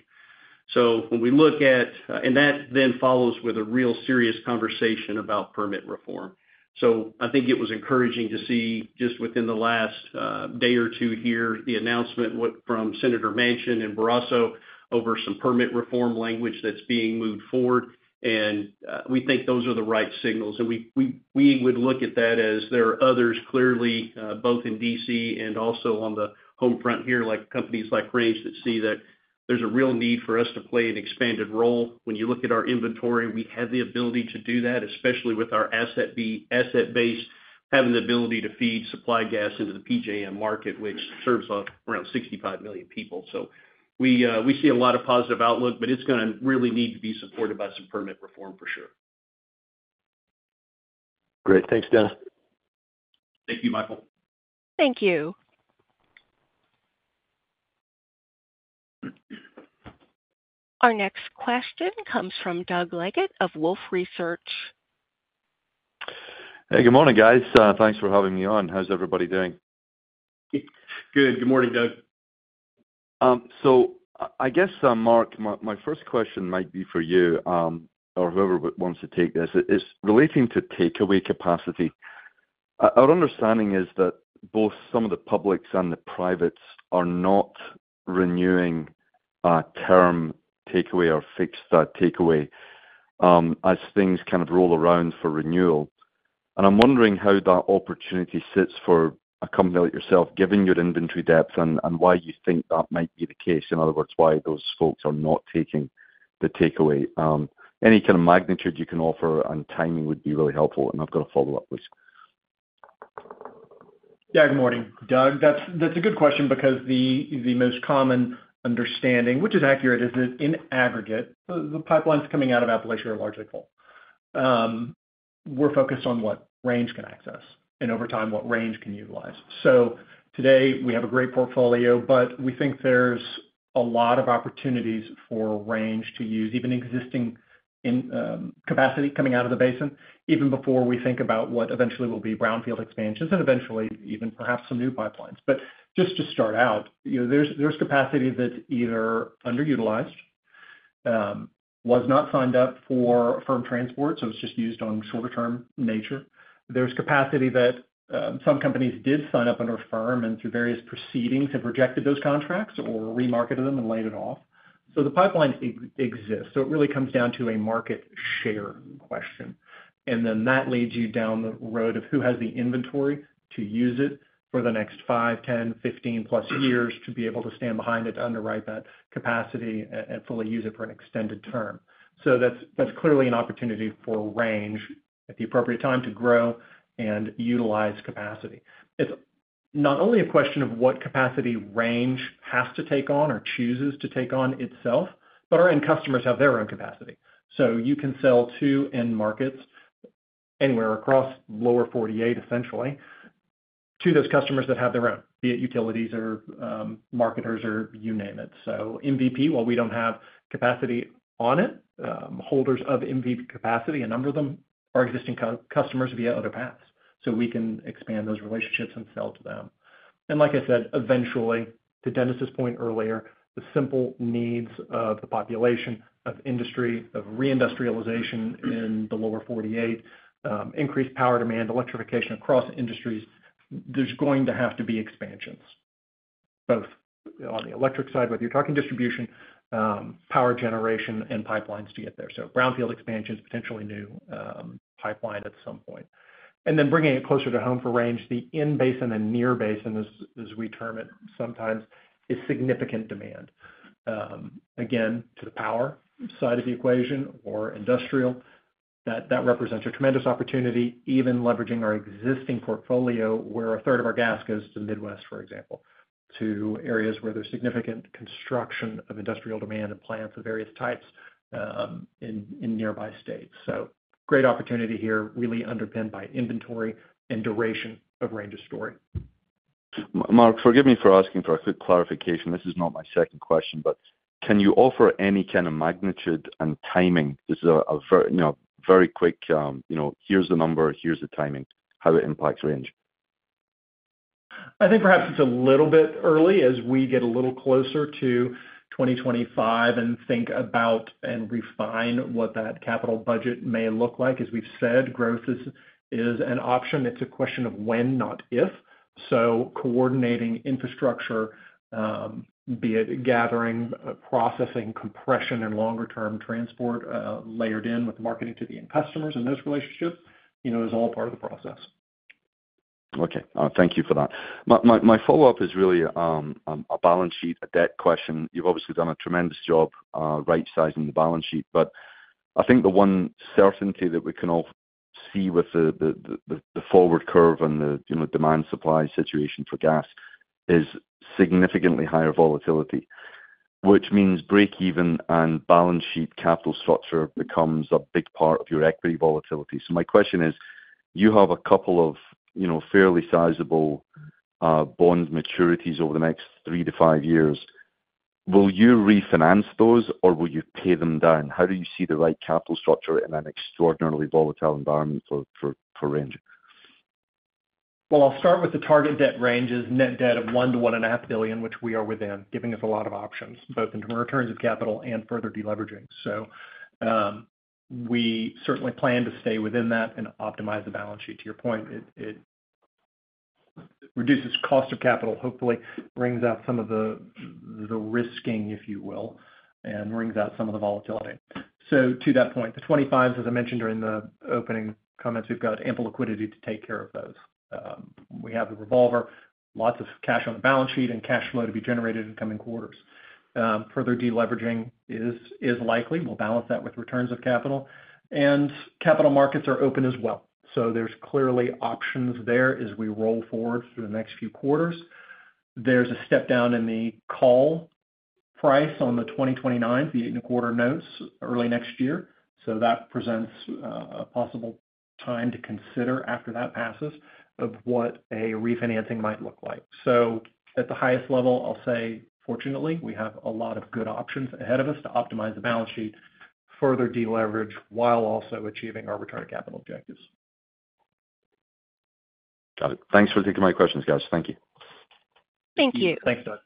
So when we look at, and that then follows with a real serious conversation about permit reform. So I think it was encouraging to see just within the last, day or two here, the announcement from Senator Manchin and Barrasso over some permit reform language that's being moved forward. We think those are the right signals, and we would look at that as there are others, clearly, both in D.C. and also on the home front here, like companies like Range, that see that there's a real need for us to play an expanded role. When you look at our inventory, we have the ability to do that, especially with our asset base, having the ability to feed supply gas into the PJM market, which serves around 65 million people. So we see a lot of positive outlook, but it's gonna really need to be supported by some permit reform for sure.
Great. Thanks, Dennis.
Thank you, Michael.
Thank you. Our next question comes from Doug Leggate of Wolfe Research.
Hey, good morning, guys. Thanks for having me on. How's everybody doing?
Good. Good morning, Doug.
So I guess, Mark, my first question might be for you, or whoever wants to take this. It's relating to takeaway capacity. Our understanding is that both some of the publics and the privates are not renewing, term takeaway or fixed, takeaway, as things kind of roll around for renewal. And I'm wondering how that opportunity sits for a company like yourself, given your inventory depth, and why you think that might be the case. In other words, why those folks are not taking the takeaway. Any kind of magnitude you can offer on timing would be really helpful, and I've got a follow-up with.
Yeah. Good morning, Doug. That's a good question because the most common understanding, which is accurate, is that in aggregate, the pipelines coming out of Appalachia are largely full. We're focused on what Range can access, and over time, what Range can utilize. So today, we have a great portfolio, but we think there's a lot of opportunities for Range to use even existing capacity coming out of the basin, even before we think about what eventually will be brownfield expansions and eventually even perhaps some new pipelines. But just to start out, you know, there's capacity that's either underutilized, was not signed up for firm transport, so it's just used on shorter term nature. There's capacity that some companies did sign up under a firm, and through various proceedings, have rejected those contracts or remarketed them and laid it off. So the pipeline exists, so it really comes down to a market share question. And then that leads you down the road of who has the inventory to use it for the next five, 10, 15+ years to be able to stand behind it, to underwrite that capacity and fully use it for an extended term. That's clearly an opportunity for Range at the appropriate time to grow and utilize capacity. It's not only a question of what capacity Range has to take on or chooses to take on itself, but our end customers have their own capacity. So you can sell to end markets anywhere across lower 48, essentially, to those customers that have their own, be it utilities or marketers or you name it. So MVP, while we don't have capacity on it, holders of MVP capacity, a number of them are existing customers via other paths, so we can expand those relationships and sell to them. And like I said, eventually, to Dennis's point earlier, the simple needs of the population, of industry, of reindustrialization in the lower 48, increased power demand, electrification across industries, there's going to have to be expansions, both on the electric side, whether you're talking distribution, power generation and pipelines to get there. So brownfield expansions, potentially new, pipeline at some point. And then bringing it closer to home for Range, the in-basin and near basin, as we term it sometimes, is significant demand. Again, to the power side of the equation or industrial, that represents a tremendous opportunity, even leveraging our existing portfolio, where a third of our gas goes to the Midwest, for example, to areas where there's significant construction of industrial demand and plants of various types, in nearby states. So great opportunity here, really underpinned by inventory and duration of Range's story.
Mark, forgive me for asking for a quick clarification. This is not my second question, but can you offer any kind of magnitude and timing? Just a very quick, you know, here's the number, here's the timing, how it impacts Range.
I think perhaps it's a little bit early as we get a little closer to 2025 and think about and refine what that capital budget may look like. As we've said, growth is an option. It's a question of when, not if. So coordinating infrastructure, be it gathering, processing, compression, and longer-term transport, layered in with marketing to the end customers in this relationship, you know, is all part of the process.
Okay. Thank you for that. My follow-up is really a balance sheet, a debt question. You've obviously done a tremendous job right sizing the balance sheet, but I think the one certainty that we can all see with the forward curve and the, you know, demand supply situation for gas is significantly higher volatility, which means break even and balance sheet capital structure becomes a big part of your equity volatility. So my question is: You have a couple of, you know, fairly sizable bond maturities over the next three to five years. Will you refinance those, or will you pay them down? How do you see the right capital structure in an extraordinarily volatile environment for Range?
Well, I'll start with the target debt ranges, net debt of $1-$1.5 billion, which we are within, giving us a lot of options, both in terms of returns of capital and further deleveraging. So, we certainly plan to stay within that and optimize the balance sheet. To your point, it reduces cost of capital, hopefully brings out some of the risking, if you will, and brings out some of the volatility. So to that point, the 25s, as I mentioned during the opening comments, we've got ample liquidity to take care of those. We have the revolver, lots of cash on the balance sheet and cash flow to be generated in coming quarters. Further deleveraging is likely. We'll balance that with returns of capital, and capital markets are open as well. So there's clearly options there as we roll forward through the next few quarters. There's a step down in the call price on the 2029, the 8.25 notes early next year. So that presents a possible time to consider after that passes, of what a refinancing might look like. So at the highest level, I'll say, fortunately, we have a lot of good options ahead of us to optimize the balance sheet, further deleverage, while also achieving our return on capital objectives.
Got it. Thanks for taking my questions, guys. Thank you.
Thank you.
Thanks, Todd.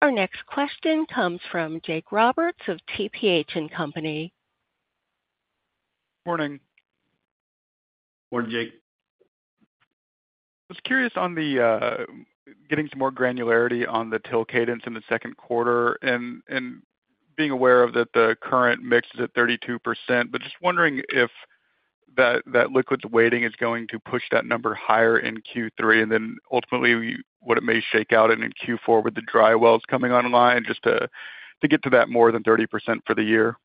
Our next question comes from Jake Roberts of TPH & Co.
Morning.
Morning, Jake.
I was curious on the getting some more granularity on the till cadence in the second quarter and being aware of that the current mix is at 32%, but just wondering if that liquids weighting is going to push that number higher in Q3, and then ultimately, what it may shake out in Q4 with the dry wells coming online just to get to that more than 30% for the year.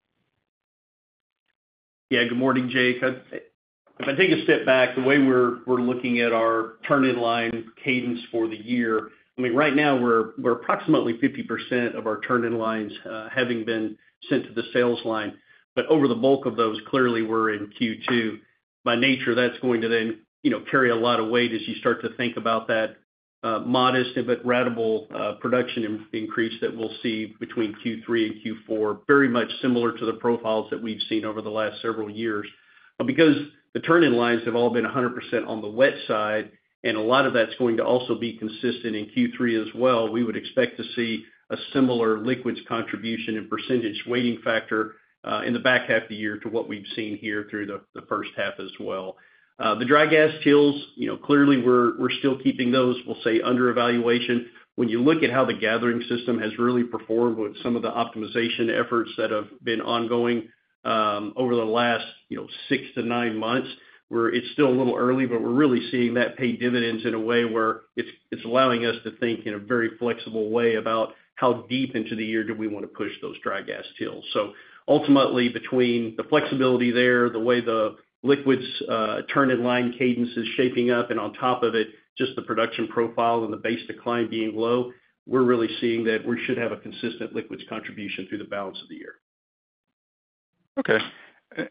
Yeah. Good morning, Jake. If I take a step back, the way we're looking at our turn-in-line cadence for the year, I mean, right now we're approximately 50% of our turn-in-lines having been sent to the sales line, but over the bulk of those, clearly we're in Q2. By nature, that's going to then, you know, carry a lot of weight as you start to think about that modest but ratable production increase that we'll see between Q3 and Q4, very much similar to the profiles that we've seen over the last several years. But because the turn-in-lines have all been 100% on the wet side, and a lot of that's going to also be consistent in Q3 as well, we would expect to see a similar liquids contribution and percentage weighting factor in the back half of the year to what we've seen here through the, the first half as well. The dry gas TILs, you know, clearly we're, we're still keeping those, we'll say, under evaluation. When you look at how the gathering system has really performed with some of the optimization efforts that have been ongoing over the last, you know, six to nine months, we're—it's still a little early, but we're really seeing that pay dividends in a way where it's allowing us to think in a very flexible way about how deep into the year do we want to push those dry gas TILs. So ultimately, between the flexibility there, the way the liquids turn-in-line cadence is shaping up, and on top of it, just the production profile and the base decline being low, we're really seeing that we should have a consistent liquids contribution through the balance of the year.
Okay.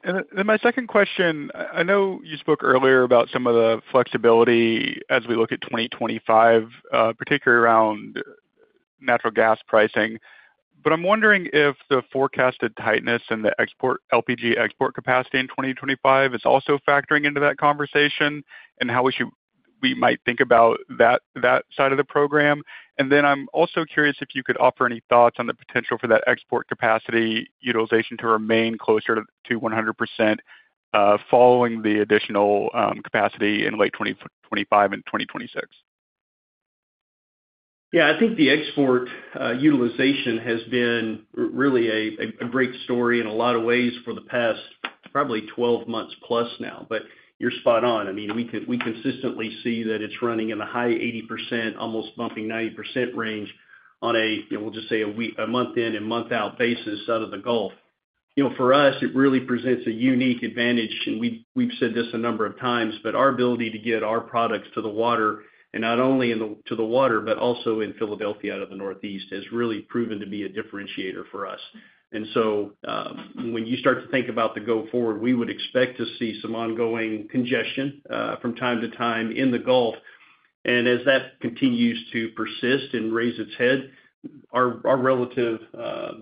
And then my second question, I know you spoke earlier about some of the flexibility as we look at 2025, particularly around natural gas pricing. But I'm wondering if the forecasted tightness and the LPG export capacity in 2025 is also factoring into that conversation, and how we might think about that, that side of the program. And then I'm also curious if you could offer any thoughts on the potential for that export capacity utilization to remain closer to 100%, following the additional capacity in late 2025 and 2026.
Yeah, I think the export utilization has been really a great story in a lot of ways for the past, probably 12 months plus now, but you're spot on. I mean, we consistently see that it's running in the high 80%, almost bumping 90% range on a, you know, we'll just say, a week, a month-in, month-out basis out of the Gulf. You know, for us, it really presents a unique advantage, and we've said this a number of times, but our ability to get our products to the water, and not only to the water, but also in Philadelphia, out of the Northeast, has really proven to be a differentiator for us. And so, when you start to think about the go forward, we would expect to see some ongoing congestion, from time to time in the Gulf, and as that continues to persist and raise its head, our, our relative,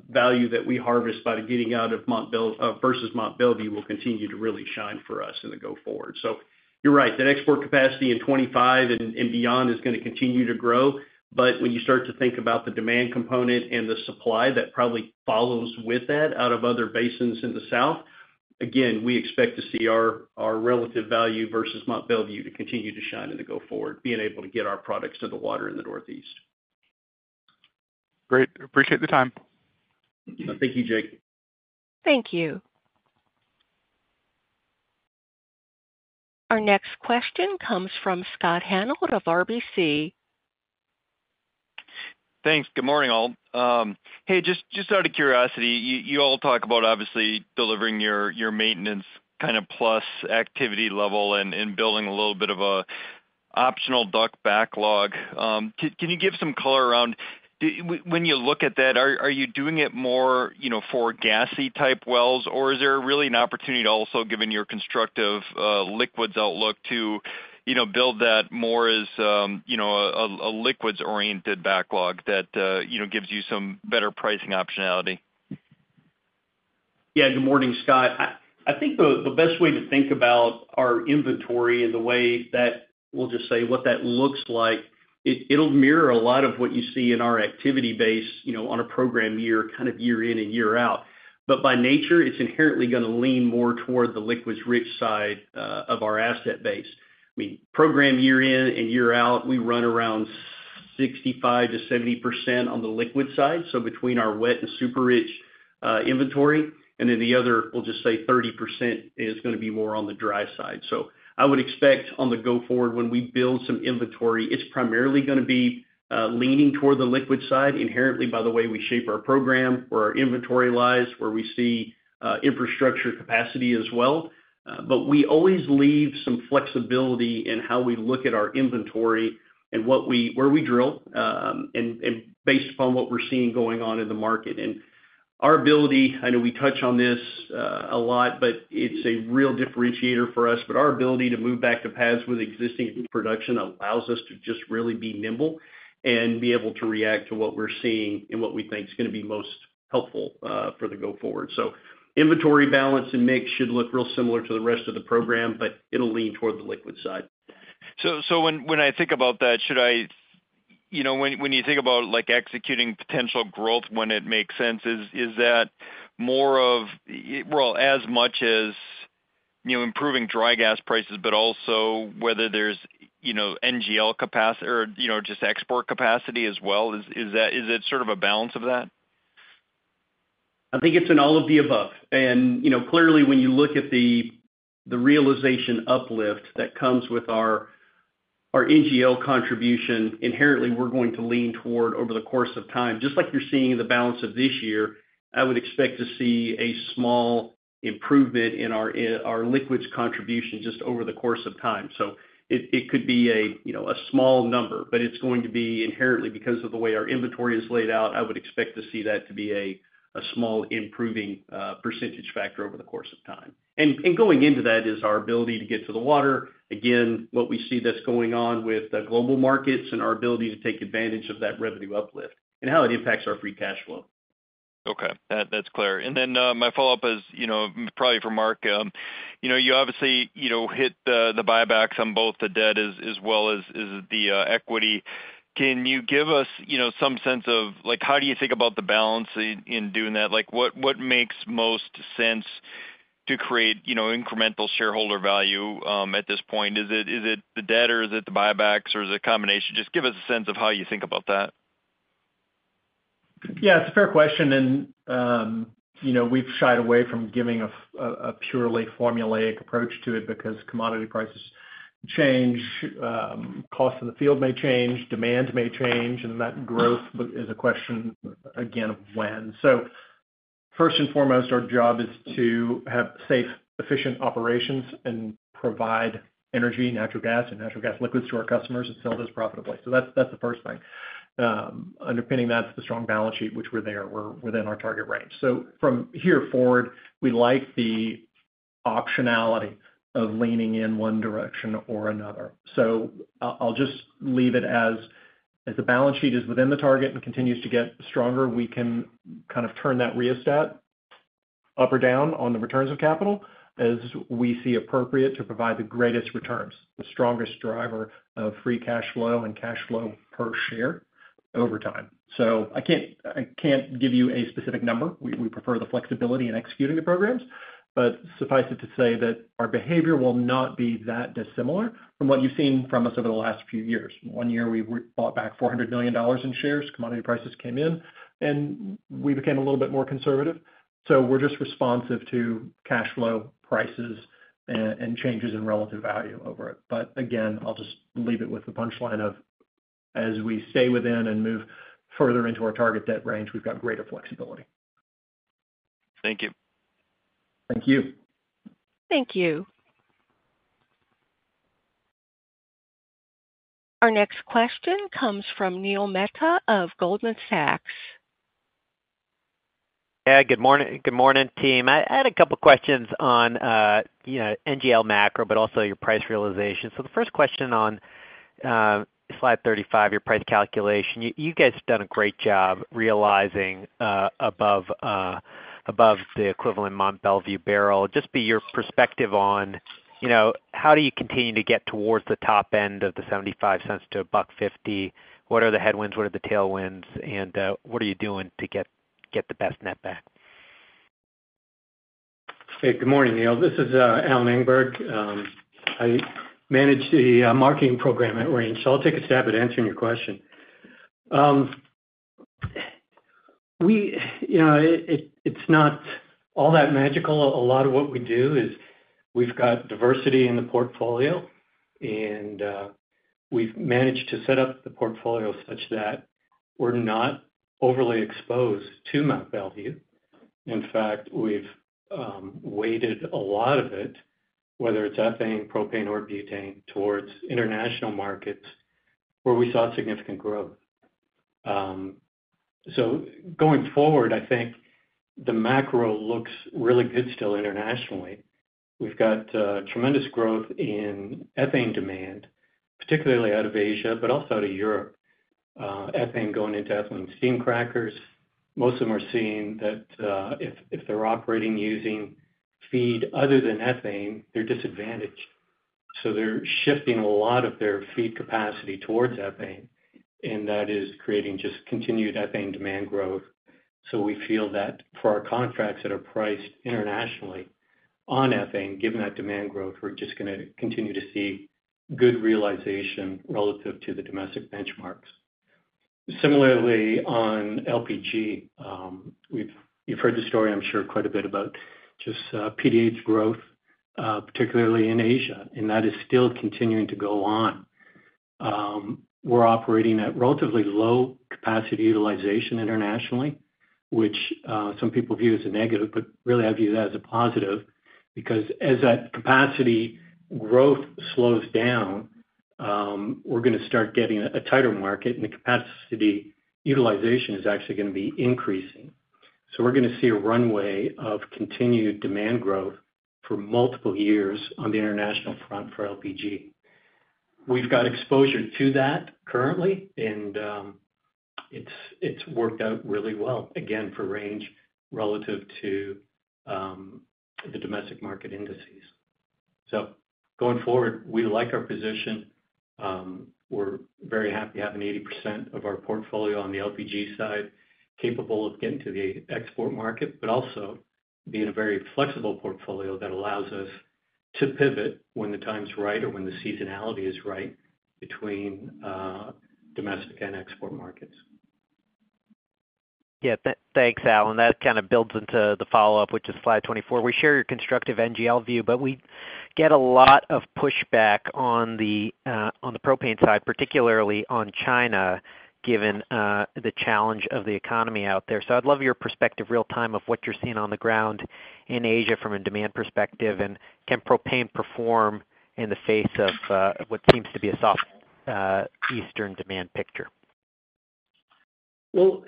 value that we harvest by getting out of Mont Belvieu versus Mont Belvieu will continue to really shine for us in the go forward. So you're right, that export capacity in 25 and, and beyond is going to continue to grow. But when you start to think about the demand component and the supply that probably follows with that out of other basins in the south, again, we expect to see our, our relative value versus Mont Belvieu to continue to shine in the go forward, being able to get our products to the water in the Northeast.
Great. Appreciate the time.
Thank you, Jake.
Thank you. Our next question comes from Scott Hanold of RBC.
Thanks. Good morning, all. Hey, just out of curiosity, you all talk about obviously delivering your maintenance kind of plus activity level and building a little bit of a optional DUC backlog. Can you give some color around—when you look at that, are you doing it more, you know, for gassy type wells? Or is there really an opportunity to also, given your constructive liquids outlook, to, you know, build that more as, you know, a liquids-oriented backlog that, you know, gives you some better pricing optionality?
Yeah. Good morning, Scott. I think the best way to think about our inventory and the way that we'll just say what that looks like. It’ll mirror a lot of what you see in our activity base, you know, on a program year, kind of year in and year out. But by nature, it's inherently going to lean more toward the liquids-rich side of our asset base. I mean, program year in and year out, we run around 65%-70% on the liquid side, so between our wet and super rich inventory, and then the other, we'll just say 30% is going to be more on the dry side. So I would expect on the go forward, when we build some inventory, it's primarily going to be leaning toward the liquid side, inherently, by the way we shape our program, where our inventory lies, where we see infrastructure capacity as well. But we always leave some flexibility in how we look at our inventory and where we drill, and based upon what we're seeing going on in the market. And our ability, I know we touch on this a lot, but it's a real differentiator for us. But our ability to move back to pads with existing production allows us to just really be nimble and be able to react to what we're seeing and what we think is going to be most helpful for the go forward. Inventory balance and mix should look real similar to the rest of the program, but it'll lean toward the liquid side.
So, when I think about that, should I... You know, when you think about, like, executing potential growth when it makes sense, is that more of, well, as much as, you know, improving dry gas prices, but also whether there's, you know, NGL capacity or, you know, just export capacity as well? Is that, is it sort of a balance of that?
I think it's an all of the above. And, you know, clearly, when you look at the realization uplift that comes with our NGL contribution, inherently, we're going to lean toward over the course of time. Just like you're seeing in the balance of this year, I would expect to see a small improvement in our liquids contribution just over the course of time. So it could be a, you know, a small number, but it's going to be inherently because of the way our inventory is laid out. I would expect to see that to be a small, improving percentage factor over the course of time. And going into that is our ability to get to the water. Again, what we see that's going on with the global markets and our ability to take advantage of that revenue uplift and how it impacts our free cash flow.
Okay. That, that's clear. And then, my follow-up is, you know, probably for Mark. You know, you obviously, you know, hit the, the buybacks on both the debt as, as well as, as the, equity. Can you give us, you know, some sense of, like, how do you think about the balance in, in doing that? Like, what, what makes most sense to create, you know, incremental shareholder value, at this point? Is it, is it the debt, or is it the buybacks, or is it a combination? Just give us a sense of how you think about that.
Yeah, it's a fair question, and, you know, we've shied away from giving a purely formulaic approach to it because commodity prices change, cost of the field may change, demand may change, and that growth is a question, of when. So first and foremost, our job is to have safe, efficient operations and provide energy, natural gas and natural gas liquids to our customers and sell those profitably. So that's, that's the first thing. Underpinning that's the strong balance sheet, which we're there. We're within our target range. So from here forward, we like the optionality of leaning in one direction or another. So I'll just leave it as the balance sheet is within the target and continues to get stronger. We can kind of turn that rheostat up or down on the returns of capital, as we see appropriate to provide the greatest returns, the strongest driver of free cash flow and cash flow per share over time. So I can't give you a specific number. We prefer the flexibility in executing the programs, but suffice it to say that our behavior will not be that dissimilar from what you've seen from us over the last few years. One year, we bought back $400 million in shares. Commodity prices came in, and we became a little bit more conservative. So we're just responsive to cash flow, prices, and changes in relative value over it. But again, I'll just leave it with the punchline of, as we stay within and move further into our target debt range, we've got greater flexibility.
Thank you.
Thank you.
Thank you. Our next question comes from Neil Mehta of Goldman Sachs.
Yeah, good morning. Good morning, team. I had a couple questions on, you know, NGL macro, but also your price realization. So the first question on Slide 35, your price calculation. You guys have done a great job realizing above the equivalent Mont Belvieu barrel. Just be your perspective on, you know, how do you continue to get towards the top end of the $0.75-$1.50? What are the headwinds, what are the tailwinds, and what are you doing to get the best net back?
Hey, good morning, Neil. This is Al Engberg. I manage the marketing program at Range, so I'll take a stab at answering your question. We, you know, it's not all that magical. A lot of what we do is we've got diversity in the portfolio, and we've managed to set up the portfolio such that we're not overly exposed to Mont Belvieu. In fact, we've weighted a lot of it, whether it's ethane, propane or butane, towards international markets where we saw significant growth. So going forward, I think the macro looks really good still internationally. We've got tremendous growth in ethane demand, particularly out of Asia, but also out of Europe. Ethane going into ethylene steam crackers, most of them are seeing that if they're operating using feed other than ethane, they're disadvantaged. So they're shifting a lot of their feed capacity towards ethane, and that is creating just continued ethane demand growth. So we feel that for our contracts that are priced internationally on ethane, given that demand growth, we're just gonna continue to see good realization relative to the domestic benchmarks. Similarly, on LPG, you've heard the story, I'm sure, quite a bit about just PDH's growth, particularly in Asia, and that is still continuing to go on. We're operating at relatively low capacity utilization internationally, which some people view as a negative, but really I view that as a positive, because as that capacity growth slows down, we're gonna start getting a tighter market, and the capacity utilization is actually gonna be increasing. So we're gonna see a runway of continued demand growth for multiple years on the international front for LPG. We've got exposure to that currently, and it's worked out really well, again, for Range relative to the domestic market indices. So going forward, we like our position. We're very happy having 80% of our portfolio on the LPG side, capable of getting to the export market, but also being a very flexible portfolio that allows us to pivot when the time's right or when the seasonality is right between domestic and export markets.
Yeah, thanks, Al, and that kind of builds into the follow-up, which is Slide 24. We share your constructive NGL view, but we get a lot of pushback on the propane side, particularly on China, given the challenge of the economy out there. So I'd love your perspective real-time of what you're seeing on the ground in Asia from a demand perspective, and can propane perform in the face of what seems to be a soft eastern demand picture?
Well,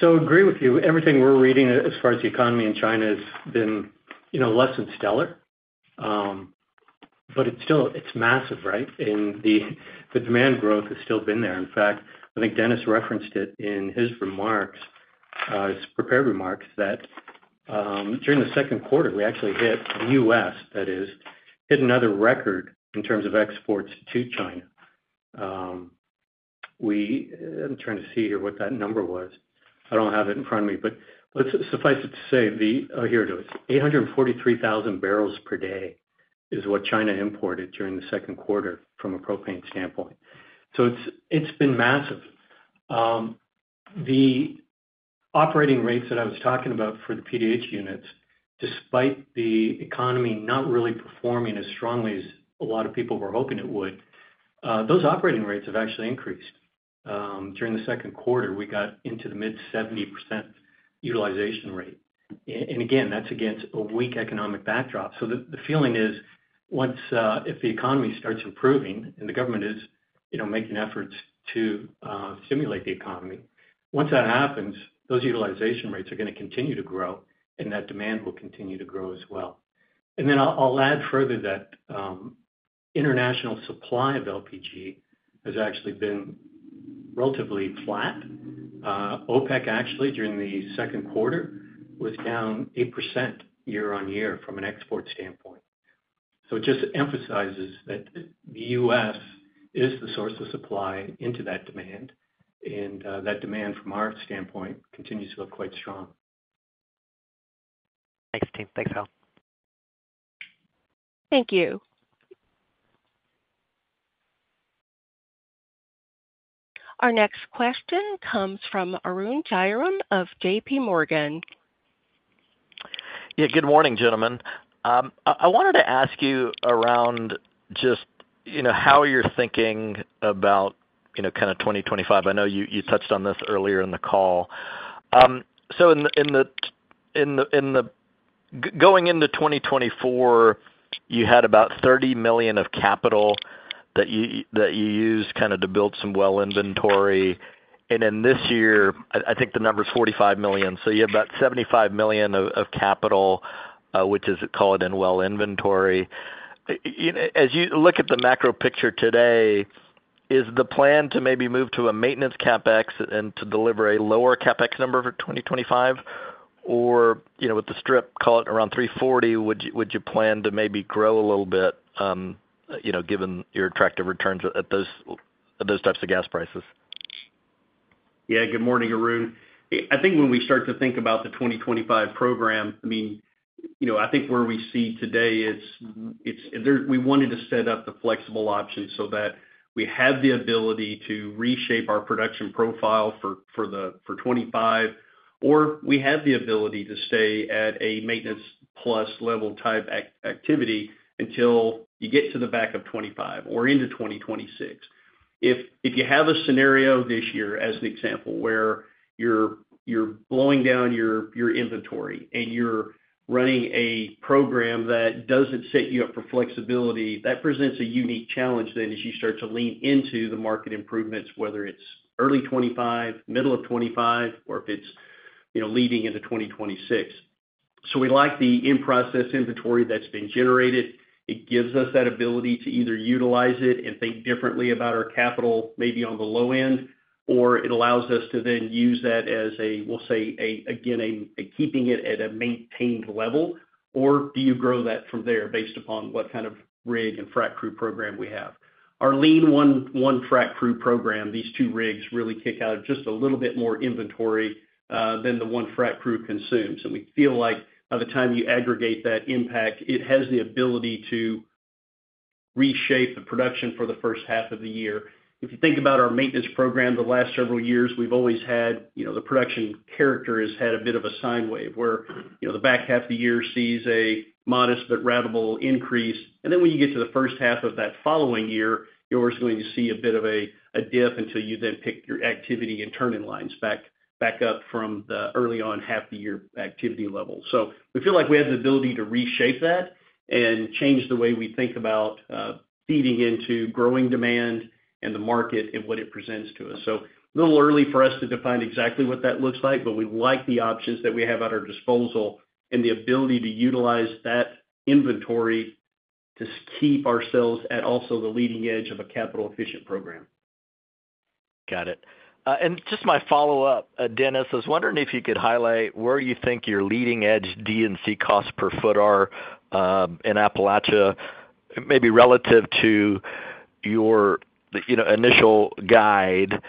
so agree with you. Everything we're reading as far as the economy in China has been, you know, less than stellar. But it's still, it's massive, right? And the demand growth has still been there. In fact, I think Dennis referenced it in his remarks, his prepared remarks, that, during the second quarter, we actually hit, the U.S. that is, hit another record in terms of exports to China. I'm trying to see here what that number was. I don't have it in front of me, but let's suffice it to say, the... Oh, here it is. 843,000 barrels per day is what China imported during the second quarter from a propane standpoint. So it's, it's been massive. The operating rates that I was talking about for the PDH units, despite the economy not really performing as strongly as a lot of people were hoping it would, those operating rates have actually increased. During the second quarter, we got into the mid-70% utilization rate. And again, that's against a weak economic backdrop. So the, the feeling is, once, if the economy starts improving, and the government is, you know, making efforts to, stimulate the economy, once that happens, those utilization rates are gonna continue to grow, and that demand will continue to grow as well. And then I'll, I'll add further that, international supply of LPG has actually been relatively flat. OPEC, actually, during the second quarter, was down 8% year-on-year from an export standpoint. So it just emphasizes that the U.S. is the source of supply into that demand, and that demand from our standpoint continues to look quite strong.
Thanks, team. Thanks, Al.
Thank you. Our next question comes from Arun Jayaram of JP Morgan.
Yeah, good morning, gentlemen. I wanted to ask you about just, you know, how you're thinking about, you know, kind of 2025. I know you touched on this earlier in the call. So in the going into 2024, you had about $30 million of capital that you used kind of to build some well inventory. And then this year, I think the number is $45 million. So you have about $75 million of capital in well inventory. As you look at the macro picture today, is the plan to maybe move to a maintenance CapEx and to deliver a lower CapEx number for 2025? Or, you know, with the strip, call it around $3.40, would you plan to maybe grow a little bit, you know, given your attractive returns at those types of gas prices?
Yeah, good morning, Arun. I think when we start to think about the 2025 program, I mean, you know, I think where we see today is, it's there, we wanted to set up the flexible options so that we have the ability to reshape our production profile for, for the, for 2025, or we have the ability to stay at a maintenance plus level type activity until you get to the back of 2025 or into 2026. If, if you have a scenario this year, as an example, where you're, you're blowing down your, your inventory, and you're running a program that doesn't set you up for flexibility, that presents a unique challenge, then, as you start to lean into the market improvements, whether it's early 2025, middle of 2025, or if it's, you know, leading into 2026. So we like the in-process inventory that's been generated. It gives us that ability to either utilize it and think differently about our capital, maybe on the low end, or it allows us to then use that as a, we'll say, a, again, keeping it at a maintained level, or do you grow that from there based upon what kind of rig and frac crew program we have. Our lean one, one frac crew program, these two rigs really kick out just a little bit more inventory than the one frac crew consumes. So we feel like by the time you aggregate that impact, it has the ability to reshape the production for the first half of the year. If you think about our maintenance program, the last several years, we've always had, you know, the production character has had a bit of a sine wave, where, you know, the back half of the year sees a modest but ratable increase. And then when you get to the first half of that following year, you're always going to see a bit of a dip until you then pick your activity and turning lines back up from the early on half of the year activity level. So we feel like we have the ability to reshape that and change the way we think about feeding into growing demand and the market and what it presents to us. A little early for us to define exactly what that looks like, but we like the options that we have at our disposal and the ability to utilize that inventory to keep ourselves at also the leading edge of a capital efficient program.
Got it. And just my follow-up, Dennis, I was wondering if you could highlight where you think your leading edge D&C costs per foot are in Appalachia, maybe relative to your, you know, initial guide.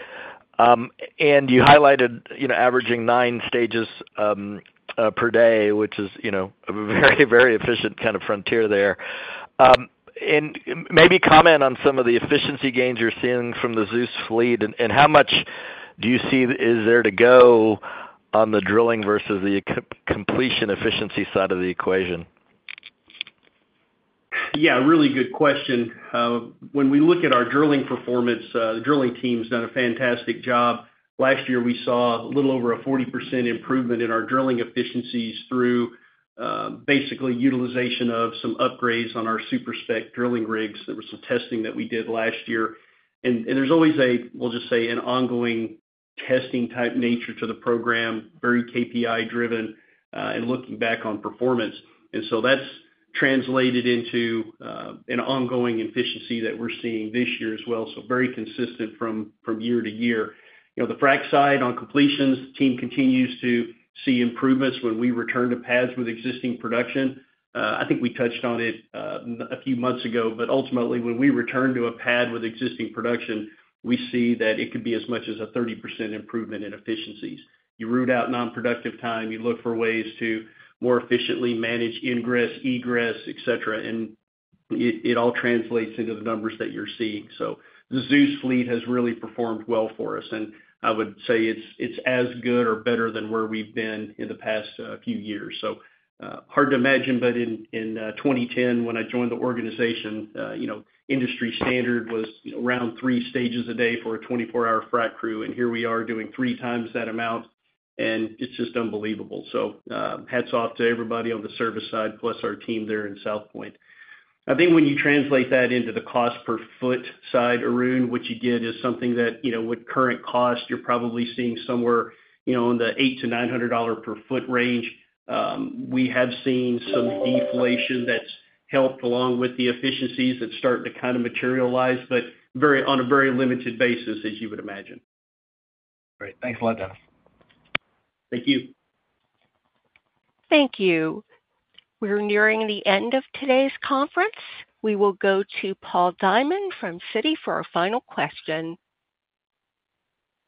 And you highlighted, you know, averaging nine stages per day, which is, you know, a very, very efficient kind of frontier there. And maybe comment on some of the efficiency gains you're seeing from the Zeus fleet. And how much do you see is there to go on the drilling versus the completion efficiency side of the equation?
Yeah, really good question. When we look at our drilling performance, the drilling team's done a fantastic job. Last year, we saw a little over a 40% improvement in our drilling efficiencies through basically utilization of some upgrades on our super spec drilling rigs. There was some testing that we did last year. And there's always a, we'll just say, an ongoing testing type nature to the program, very KPI driven, and looking back on performance. And so that's translated into an ongoing efficiency that we're seeing this year as well, so very consistent from year to year. You know, the frac side on completions, the team continues to see improvements when we return to pads with existing production. I think we touched on it a few months ago, but ultimately, when we return to a pad with existing production, we see that it could be as much as a 30% improvement in efficiencies. You root out non-productive time, you look for ways to more efficiently manage ingress, egress, et cetera, and it all translates into the numbers that you're seeing. So the Zeus fleet has really performed well for us, and I would say it's as good or better than where we've been in the past few years. So, hard to imagine, but in 2010, when I joined the organization, you know, industry standard was around three stages a day for a 24-hour frac crew. And here we are doing 3x that amount, and it's just unbelievable. So, hats off to everybody on the service side, plus our team there in Southpointe. I think when you translate that into the cost per foot side, Arun, what you get is something that, you know, with current cost, you're probably seeing somewhere, you know, in the $800-$900 per foot range. We have seen some deflation that's helped, along with the efficiencies that's starting to kind of materialize, but on a very limited basis, as you would imagine.
Great. Thanks a lot, Dennis.
Thank you.
Thank you. We're nearing the end of today's conference. We will go to Paul Diamond from Citi for our final question.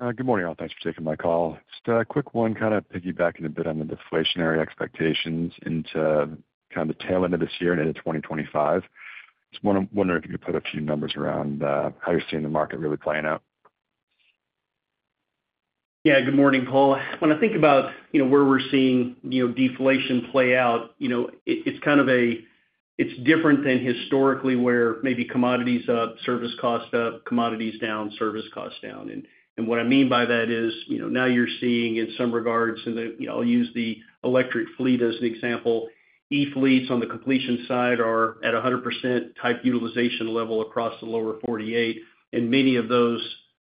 Good morning, all. Thanks for taking my call. Just a quick one, kind of piggybacking a bit on the deflationary expectations into kind of the tail end of this year and into 2025. Just wondering if you could put a few numbers around, how you're seeing the market really playing out.
Yeah, good morning, Paul. When I think about, you know, where we're seeing, you know, deflation play out, you know, it, it's kind of a. It's different than historically, where maybe commodities up, service costs up, commodities down, service costs down. And what I mean by that is, you know, now you're seeing, in some regards, and, you know, I'll use the electric fleet as an example. E fleets on the completion side are at a 100% type utilization level across the lower 48, and many of those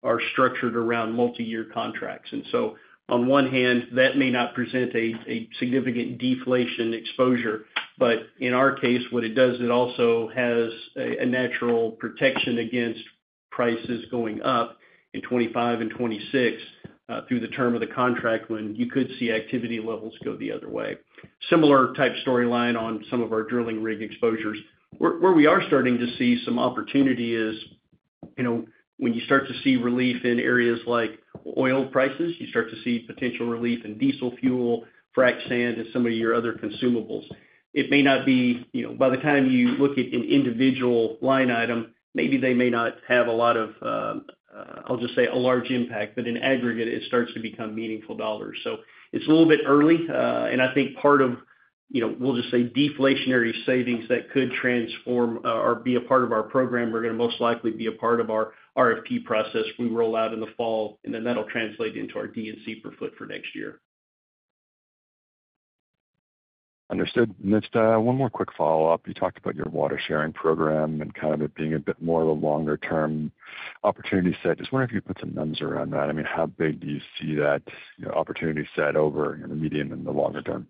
are structured around multiyear contracts. And so on one hand, that may not present a significant deflation exposure, but in our case, what it does, it also has a natural protection against prices going up in 2025 and 2026, through the term of the contract, when you could see activity levels go the other way. Similar type storyline on some of our drilling rig exposures. Where we are starting to see some opportunity is, you know, when you start to see relief in areas like oil prices, you start to see potential relief in diesel fuel, frac sand, and some of your other consumables. It may not be, you know, by the time you look at an individual line item, maybe they may not have a lot of, I'll just say, a large impact, but in aggregate, it starts to become meaningful dollars. So it's a little bit early, and I think part of, you know, we'll just say deflationary savings that could transform or be a part of our program, are going to most likely be a part of our RFP process we roll out in the fall, and then that'll translate into our D&C per foot for next year.
Understood. Just, one more quick follow-up. You talked about your water sharing program and kind of it being a bit more of a longer-term opportunity set. Just wondering if you put some numbers around that. I mean, how big do you see that, you know, opportunity set over in the medium and the longer term?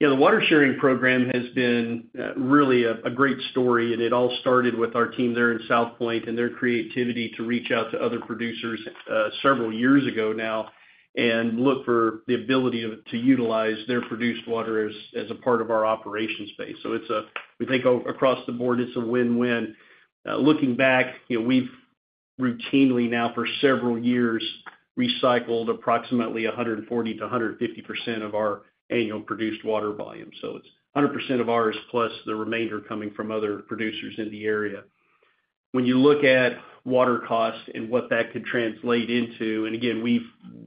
Yeah, the water sharing program has been really a great story, and it all started with our team there in Southpointe and their creativity to reach out to other producers several years ago now, and look for the ability to utilize their produced water as a part of our operation space. So it's a we think across the board, it's a win-win. Looking back, you know, we've routinely now for several years recycled approximately 140%-150% of our annual produced water volume. So it's 100% of ours, plus the remainder coming from other producers in the area. When you look at water costs and what that could translate into, and again,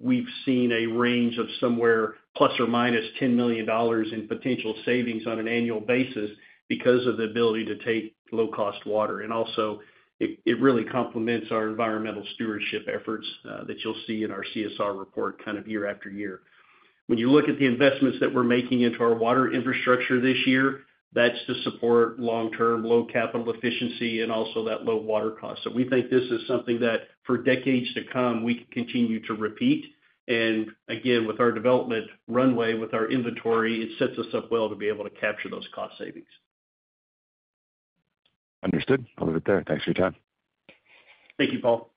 we've seen a range of somewhere ±$10 million in potential savings on an annual basis because of the ability to take low-cost water. And also, it really complements our environmental stewardship efforts, that you'll see in our CSR report kind of year after year. When you look at the investments that we're making into our water infrastructure this year, that's to support long-term, low capital efficiency and also that low water cost. So we think this is something that for decades to come, we can continue to repeat. And again, with our development runway, with our inventory, it sets us up well to be able to capture those cost savings.
Understood. I'll leave it there. Thanks for your time.
Thank you, Paul.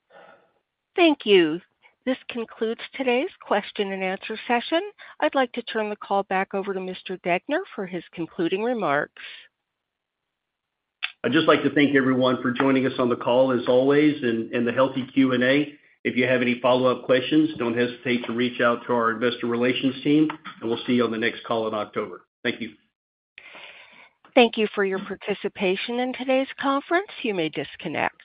Thank you. This concludes today's question-and-answer session. I'd like to turn the call back over to Mr. Degner for his concluding remarks.
I'd just like to thank everyone for joining us on the call as always, and the healthy Q&A. If you have any follow-up questions, don't hesitate to reach out to our investor relations team, and we'll see you on the next call in October. Thank you.
Thank you for your participation in today's conference. You may disconnect.